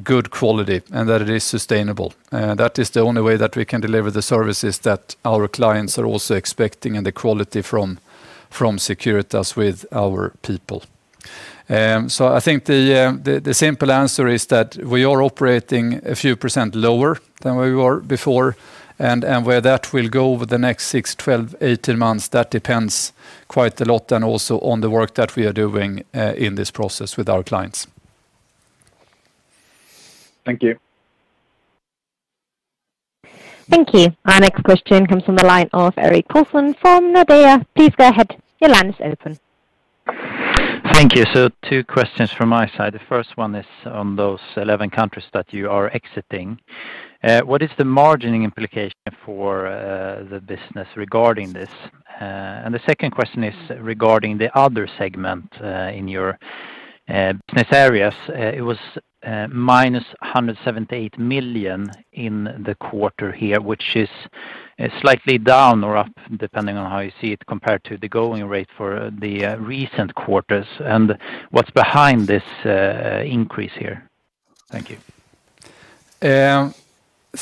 good quality and that it is sustainable. That is the only way that we can deliver the services that our clients are also expecting and the quality from Securitas with our people. I think the simple answer is that we are operating a few percent lower than we were before, and where that will go over the next 6, 12, 18 months, that depends quite a lot and also on the work that we are doing in this process with our clients. Thank you. Thank you. Our next question comes from the line of Erik Paulsson from Nordea. Please go ahead. Your line is open. Thank you. Two questions from my side. The first one is on those 11 countries that you are exiting. What is the margining implication for the business regarding this? The second question is regarding the other segment in your business areas. It was -178 million in the quarter here, which is slightly down or up, depending on how you see it, compared to the going rate for the recent quarters. What's behind this increase here? Thank you.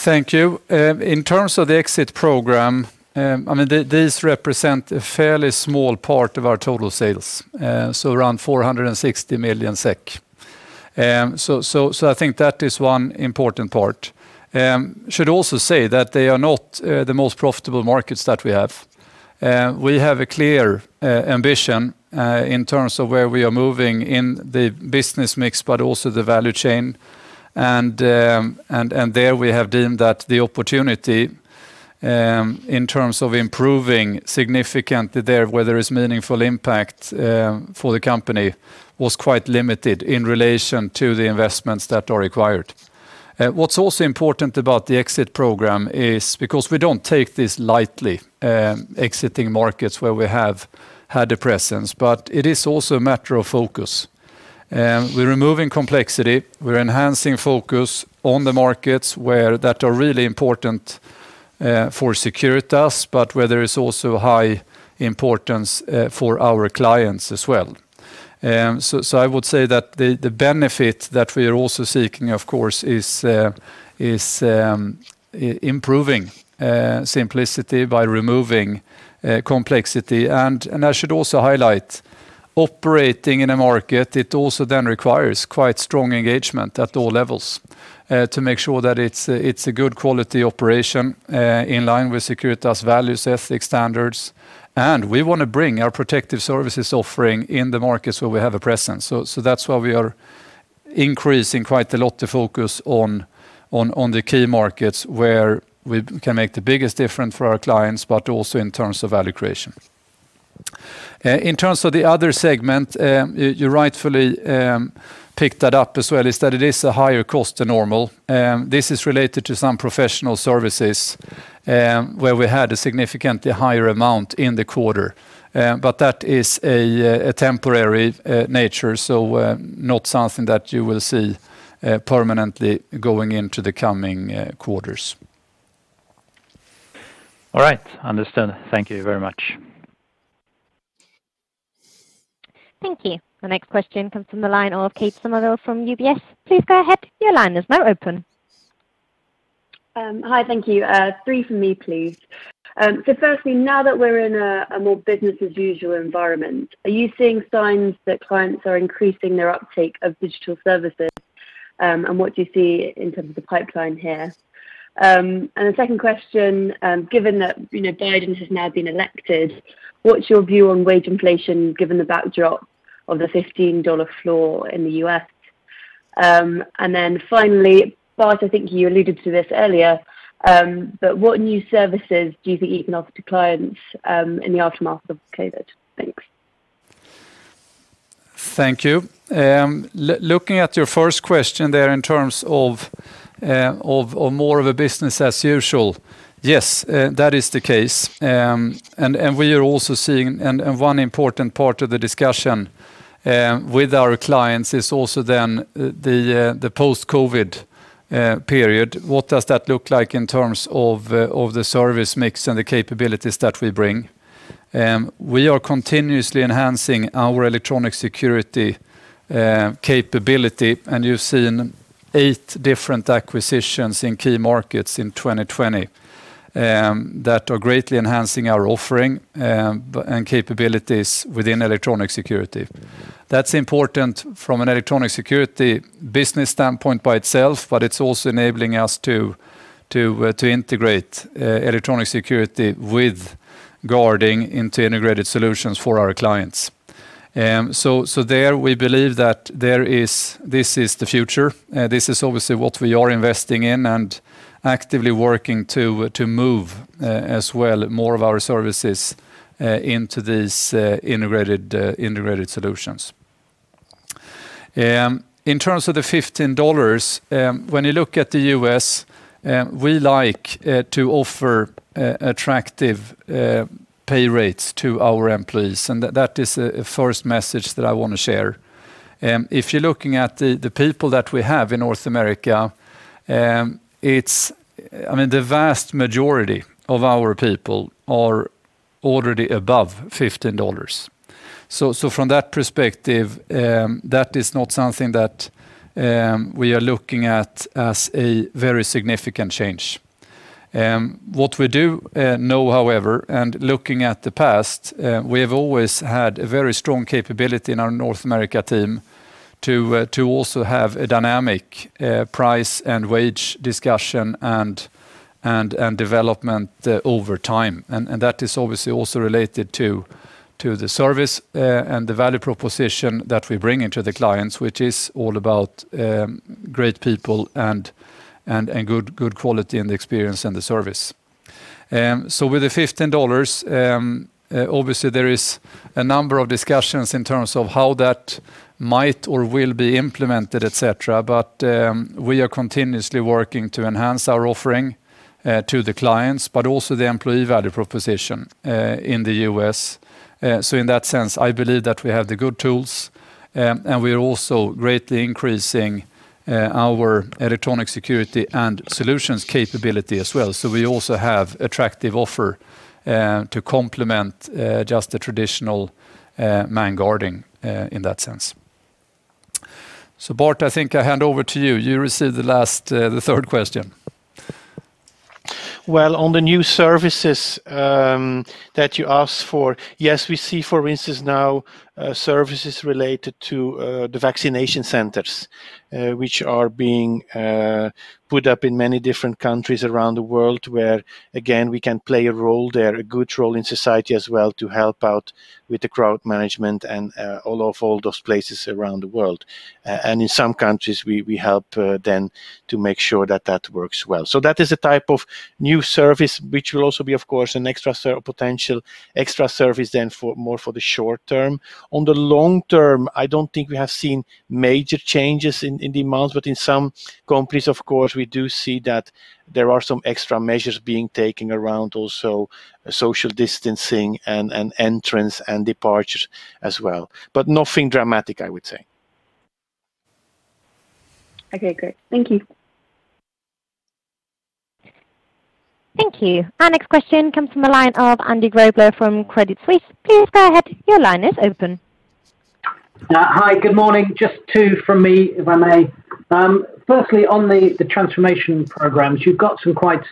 Thank you. In terms of the exit program, these represent a fairly small part of our total sales, so around 460 million SEK. I think that is one important part. We should also say that they are not the most profitable markets that we have. We have a clear ambition in terms of where we are moving in the business mix, but also the value chain. There we have deemed that the opportunity in terms of improving significantly there, where there is meaningful impact for the company, was quite limited in relation to the investments that are required. What's also important about the exit program is because we don't take this lightly, exiting markets where we have had a presence. It is also a matter of focus. We're removing complexity. We're enhancing focus on the markets that are really important for Securitas, but where there is also high importance for our clients as well. I would say that the benefit that we are also seeking, of course, is improving simplicity by removing complexity. I should also highlight operating in a market, it also then requires quite strong engagement at all levels to make sure that it's a good quality operation in line with Securitas values, ethics standards. We want to bring our Protective Services offering in the markets where we have a presence. That's why we are increasing quite a lot the focus on the key markets where we can make the biggest difference for our clients, but also in terms of value creation. In terms of the other segment, you rightfully picked that up as well, is that it is a higher cost than normal. This is related to some professional services, where we had a significantly higher amount in the quarter. That is a temporary nature, so not something that you will see permanently going into the coming quarters. All right. Understood. Thank you very much. Thank you. The next question comes from the line of Kate Somerville from UBS. Please go ahead. Your line is now open. Hi, thank you. three from me, please. Firstly, now that we're in a more business as usual environment, are you seeing signs that clients are increasing their uptake of digital services? What do you see in terms of pipeline here? The second question, given that Biden has now been elected, what's your view on wage inflation given the backdrop of the $15 floor in the U.S.? Finally, Bart, I think you alluded to this earlier, but what new services do you think you can offer to clients in the aftermath of COVID? Thanks. Thank you. Looking at your first question there in terms of more of a business-as-usual. Yes, that is the case. We are also seeing one important part of the discussion with our clients is also then the post-COVID period. What does that look like in terms of the service mix and the capabilities that we bring? We are continuously enhancing our electronic security capability, and you've seen eight different acquisitions in key markets in 2020 that are greatly enhancing our offering and capabilities within electronic security. That's important from an electronic security business standpoint by itself, but it's also enabling us to integrate electronic security with guarding into integrated solutions for our clients. There, we believe that this is the future. This is obviously what we are investing in and actively working to move as well more of our services into these integrated solutions. In terms of the $15, when you look at the U.S., we like to offer attractive pay rates to our employees, and that is a first message that I want to share. If you're looking at the people that we have in North America, the vast majority of our people are already above $15. So from that perspective, that is not something that we are looking at as a very significant change. What we do know, however, and looking at the past, we have always had a very strong capability in our North America team to also have a dynamic price and wage discussion and development over time. That is obviously also related to the service and the value proposition that we're bringing to the clients, which is all about great people and good quality in the experience and the service. With the $15, obviously there is a number of discussions in terms of how that might or will be implemented, et cetera. We are continuously working to enhance our offering to the clients, but also the employee value proposition in the U.S. In that sense, I believe that we have the good tools, and we are also greatly increasing our electronic security and solutions capability as well. We also have attractive offer to complement just the traditional manned guarding in that sense. Bart, I think I hand over to you. You receive the third question. Well, on the new services that you asked for. Yes, we see, for instance now, services related to the vaccination centers, which are being put up in many different countries around the world, where, again, we can play a role there, a good role in society as well to help out with the crowd management and all of those places around the world. In some countries, we help to make sure that works well. That is a type of new service which will also be, of course, a potential extra service more for the short term. On the long term, I don't think we have seen major changes in demands, but in some companies, of course, we do see that there are some extra measures being taken around also social distancing and entrance and departure as well. Nothing dramatic, I would say. Okay, great. Thank you. Thank you. Our next question comes from the line of Andy Grobler from Credit Suisse. Please go ahead. Your line is open. Hi. Good morning. Just two from me, if I may. Firstly, on the transformation programs, you've got some quite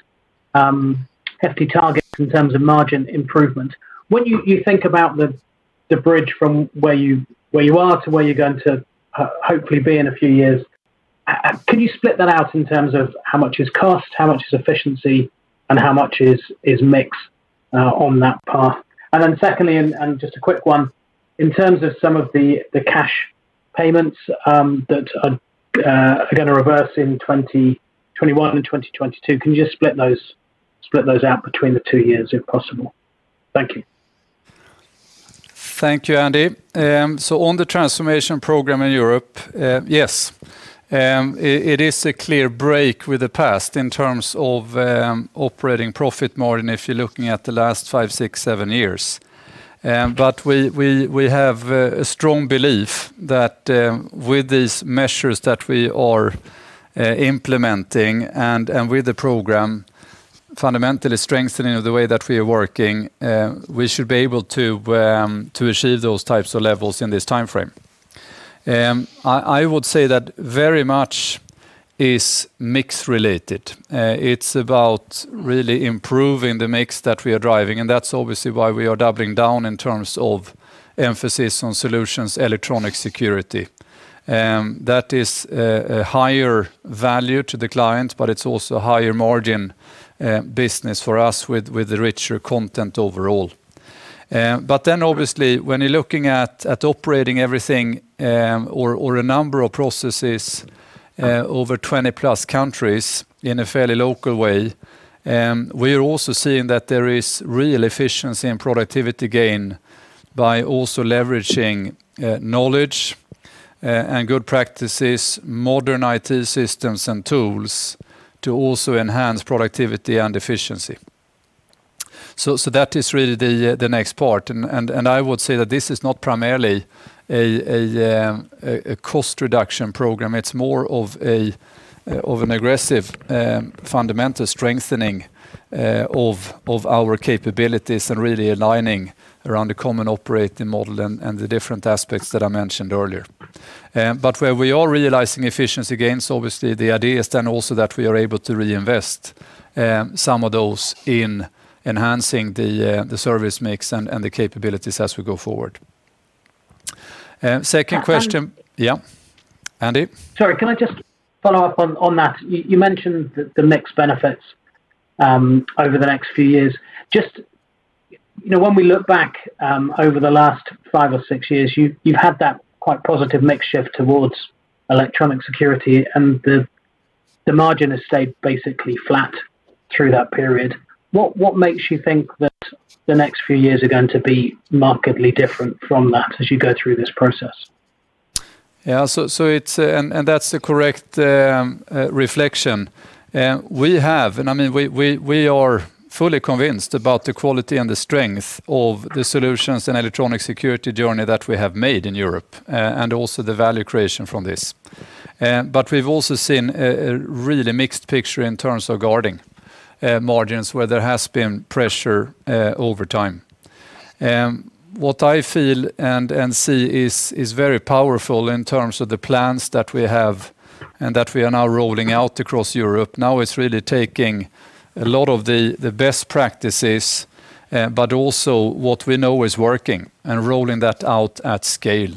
hefty targets in terms of margin improvement. When you think about the bridge from where you are to where you're going to hopefully be in a few years, can you split that out in terms of how much is cost, how much is efficiency, and how much is mix on that path? Then secondly, and just a quick one, in terms of some of the cash payments that are going to reverse in 2021 and 2022, can you just split those out between the two years if possible? Thank you. Thank you, Andy. On the transformation program in Europe, yes, it is a clear break with the past in terms of operating profit margin if you're looking at the last five, six, seven years. We have a strong belief that with these measures that we are implementing and with the program fundamentally strengthening the way that we are working, we should be able to achieve those types of levels in this time frame. I would say that very much is mix-related. It's about really improving the mix that we are driving, and that's obviously why we are doubling down in terms of emphasis on solutions, electronic security. That is a higher value to the client, but it's also a higher margin business for us with the richer content overall. Obviously when you're looking at operating everything or a number of processes over 20+ countries in a fairly local way, we are also seeing that there is real efficiency and productivity gain by also leveraging knowledge and good practices, modern IT systems and tools to also enhance productivity and efficiency. That is really the next part, and I would say that this is not primarily a cost reduction program. It's more of an aggressive fundamental strengthening of our capabilities and really aligning around the common operating model and the different aspects that I mentioned earlier. Where we are realizing efficiency gains, obviously the idea is then also that we are able to reinvest some of those in enhancing the service mix and the capabilities as we go forward. Second question. And- Yeah, Andy? Sorry. Can I just follow up on that? You mentioned the mix benefits over the next few years. Just when we look back over the last five or six years, you've had that quite positive mix shift towards electronic security, and the margin has stayed basically flat through that period. What makes you think that the next few years are going to be markedly different from that as you go through this process? Yeah. That's the correct reflection. We are fully convinced about the quality and the strength of the solutions and electronic security journey that we have made in Europe, and also the value creation from this. We've also seen a really mixed picture in terms of guarding margins where there has been pressure over time. What I feel and see is very powerful in terms of the plans that we have and that we are now rolling out across Europe now is really taking a lot of the best practices, but also what we know is working and rolling that out at scale.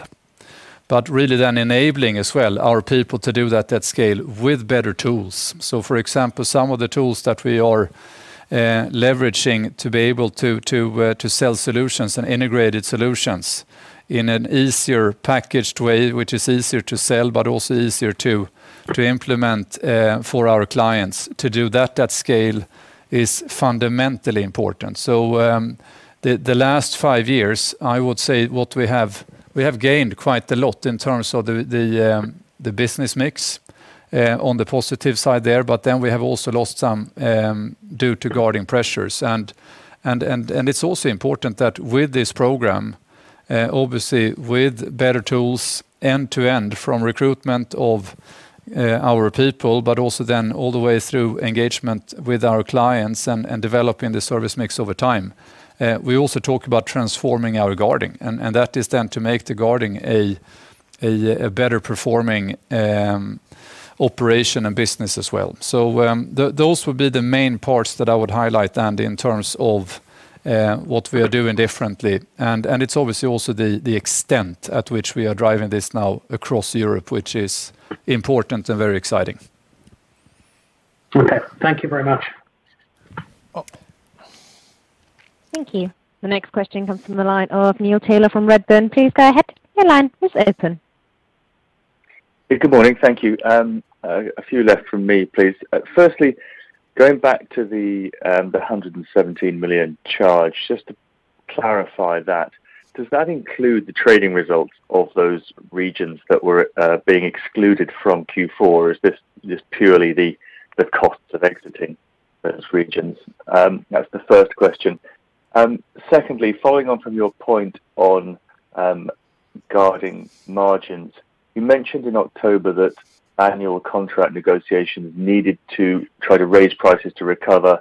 Really enabling as well our people to do that at scale with better tools. For example, some of the tools that we are leveraging to be able to sell solutions and integrated solutions in an easier packaged way, which is easier to sell, but also easier to implement for our clients. To do that at scale is fundamentally important. The last 5 years, I would say we have gained quite a lot in terms of the business mix on the positive side there, but then we have also lost some due to guarding pressures. It is also important that with this program, obviously with better tools end-to-end from recruitment of our people, but also then all the way through engagement with our clients and developing the service mix over time. We also talk about transforming our guarding, and that is then to make the guarding a better performing operation and business as well. Those would be the main parts that I would highlight, Andy, in terms of what we are doing differently. It's obviously also the extent at which we are driving this now across Europe, which is important and very exciting. Okay. Thank you very much. Oh. Thank you. The next question comes from the line of Neil Tyler from Redburn. Please go ahead. Your line is open. Good morning. Thank you. A few left from me, please. Firstly, going back to the 117 million charge, just to clarify that, does that include the trading results of those regions that were being excluded from Q4? Is this just purely the costs of exiting those regions? That's the first question. Secondly, following on from your point on guarding margins, you mentioned in October that annual contract negotiations needed to try to raise prices to recover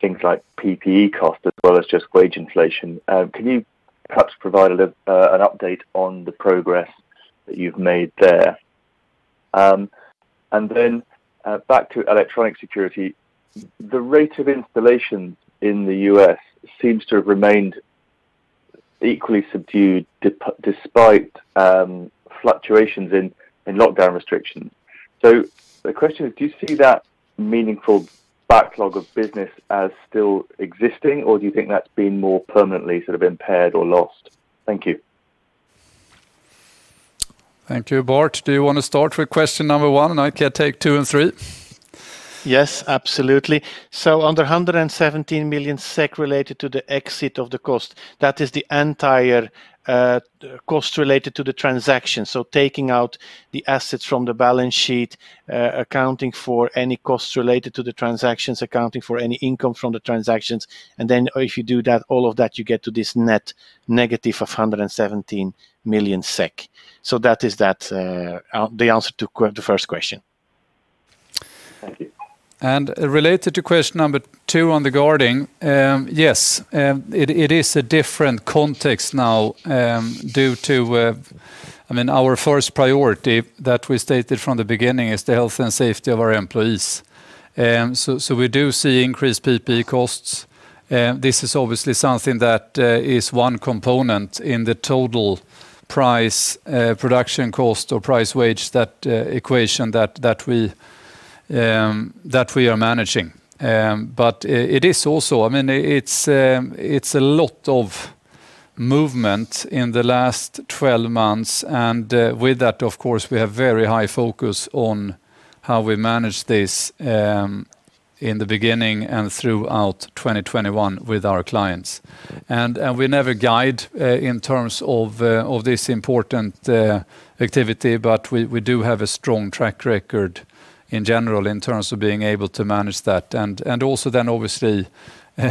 things like PPE costs as well as just wage inflation. Can you perhaps provide an update on the progress that you've made there? Back to electronic security, the rate of installation in the U.S. seems to have remained equally subdued despite fluctuations in lockdown restrictions. The question is, do you see that meaningful backlog of business as still existing, or do you think that's been more permanently sort of impaired or lost? Thank you. Thank you. Bart, do you want to start with question number one, and I can take two and three? Yes, absolutely. On the 117 million SEK related to the exit of the cost, that is the entire cost related to the transaction. Taking out the assets from the balance sheet, accounting for any costs related to the transactions, accounting for any income from the transactions. If you do all of that, you get to this net negative of 117 million SEK. That is the answer to the first question. Related to question number two on the guarding, yes, it is a different context now due to our first priority that we stated from the beginning is the health and safety of our employees. We do see increased PPE costs. This is obviously something that is one component in the total price production cost or price-wage, that equation that we are managing. It's a lot of movement in the last 12 months, and with that, of course, we have very high focus on how we manage this in the beginning and throughout 2021 with our clients. We never guide in terms of this important activity, but we do have a strong track record in general in terms of being able to manage that. Also then obviously,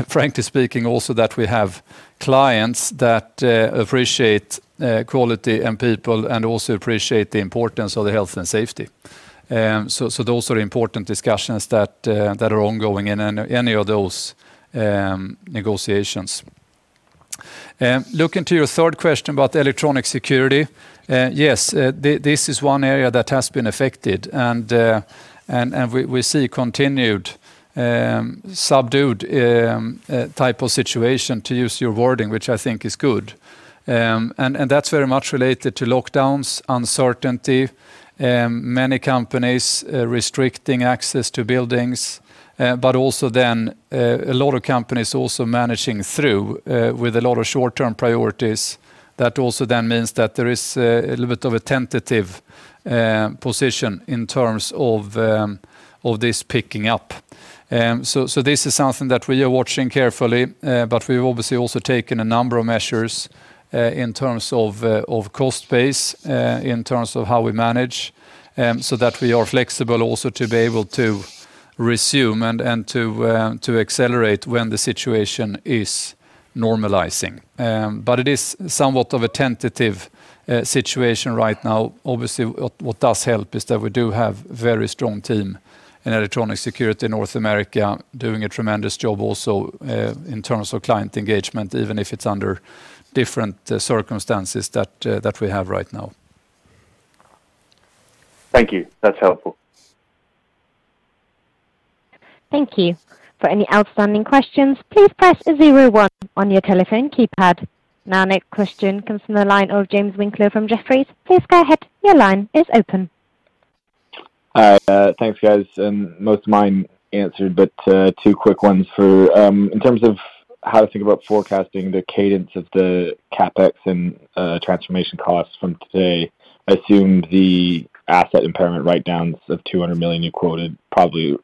frankly speaking, also that we have clients that appreciate quality and people and also appreciate the importance of the health and safety. Those are important discussions that are ongoing in any of those negotiations. Looking to your third question about electronic security, yes, this is one area that has been affected, and we see continued subdued type of situation, to use your wording, which I think is good. That's very much related to lockdowns, uncertainty, many companies restricting access to buildings, but also then a lot of companies also managing through with a lot of short-term priorities. That also then means that there is a little bit of a tentative position in terms of this picking up. This is something that we are watching carefully, but we've obviously also taken a number of measures in terms of cost base, in terms of how we manage, so that we are flexible also to be able to resume and to accelerate when the situation is normalizing. It is somewhat of a tentative situation right now. Obviously, what does help is that we do have very strong team in electronic security in North America doing a tremendous job also in terms of client engagement, even if it's under different circumstances that we have right now. Thank you. That's helpful. Thank you. For any outstanding questions, please press zero one on your telephone keypad. Next question comes from the line of James Winckler from Jefferies. Please go ahead. Your line is open. Hi. Thanks, guys. Most of mine answered, but two quick ones for you. In terms of how to think about forecasting the cadence of the CapEx and transformation costs from today, assume the asset impairment write-downs of 200 million you quoted probably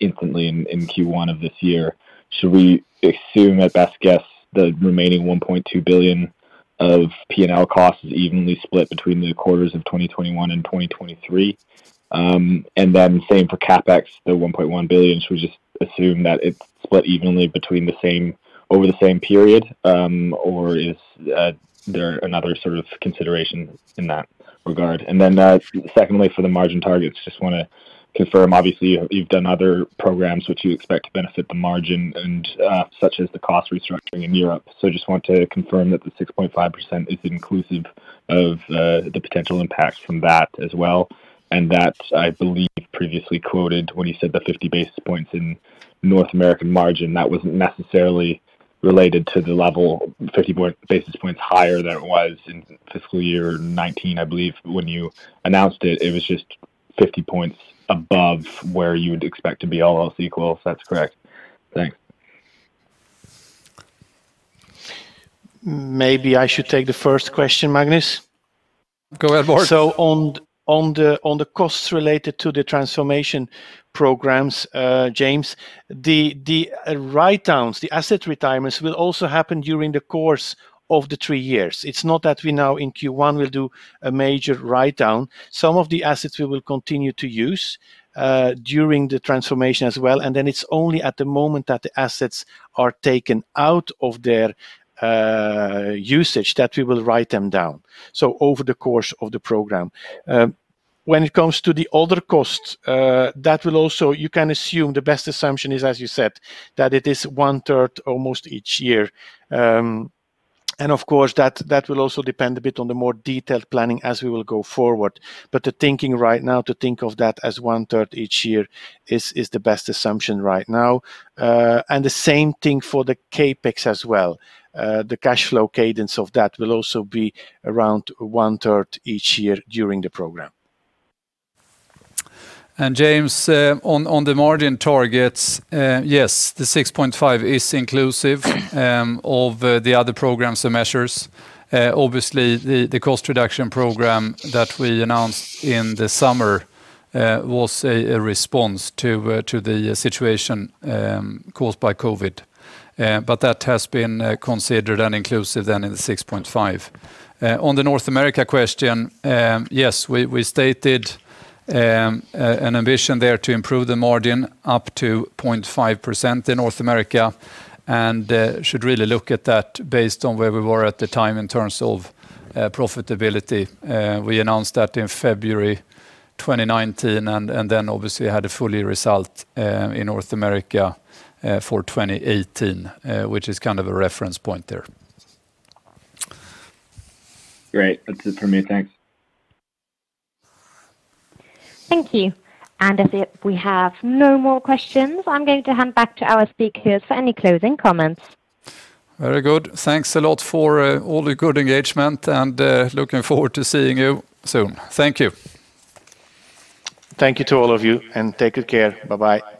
instantly in Q1 of this year. Should we assume at best guess the remaining 1.2 billion of P&L costs is evenly split between the quarters of 2021 and 2023? Then same for CapEx, the 1.1 billion. Should we just assume that it's split evenly over the same period, or is there another sort of consideration in that regard? Then secondly, for the margin targets, just want to confirm, obviously, you've done other programs which you expect to benefit the margin, such as the cost restructuring in Europe. Just want to confirm that the 6.5% is inclusive of the potential impact from that as well. That, I believe, previously quoted when you said the 50 basis points in North American margin, that wasn't necessarily related to the level 50 basis points higher than it was in fiscal year 2019, I believe when you announced it. It was just 50 points above where you would expect to be all else equal, if that's correct? Thanks. Maybe I should take the first question, Magnus. Go ahead, Bart. On the costs related to the transformation programs, James, the write-downs, the asset retirements will also happen during the course of the three years. It's not that we now in Q1 will do a major write-down. Some of the assets we will continue to use during the transformation as well, and then it's only at the moment that the assets are taken out of their usage that we will write them down, so over the course of the program. When it comes to the other costs, you can assume the best assumption is, as you said, that it is one third almost each year. Of course, that will also depend a bit on the more detailed planning as we will go forward. The thinking right now, to think of that as one third each year is the best assumption right now. The same thing for the CapEx as well. The cash flow cadence of that will also be around one third each year during the program. James, on the margin targets, yes, the 6.5% is inclusive of the other programs and measures. Obviously, the cost reduction program that we announced in the summer was a response to the situation caused by COVID. That has been considered and inclusive then in the 6.5%. On the North America question, yes, we stated an ambition there to improve the margin up to 0.5% in North America, and should really look at that based on where we were at the time in terms of profitability. We announced that in February 2019, and then obviously had a full-year result in North America for 2018, which is kind of a reference point there. Great. That's it from me. Thanks. Thank you. As we have no more questions, I'm going to hand back to our speakers for any closing comments. Very good. Thanks a lot for all the good engagement and looking forward to seeing you soon. Thank you. Thank you to all of you, and take good care. Bye-bye.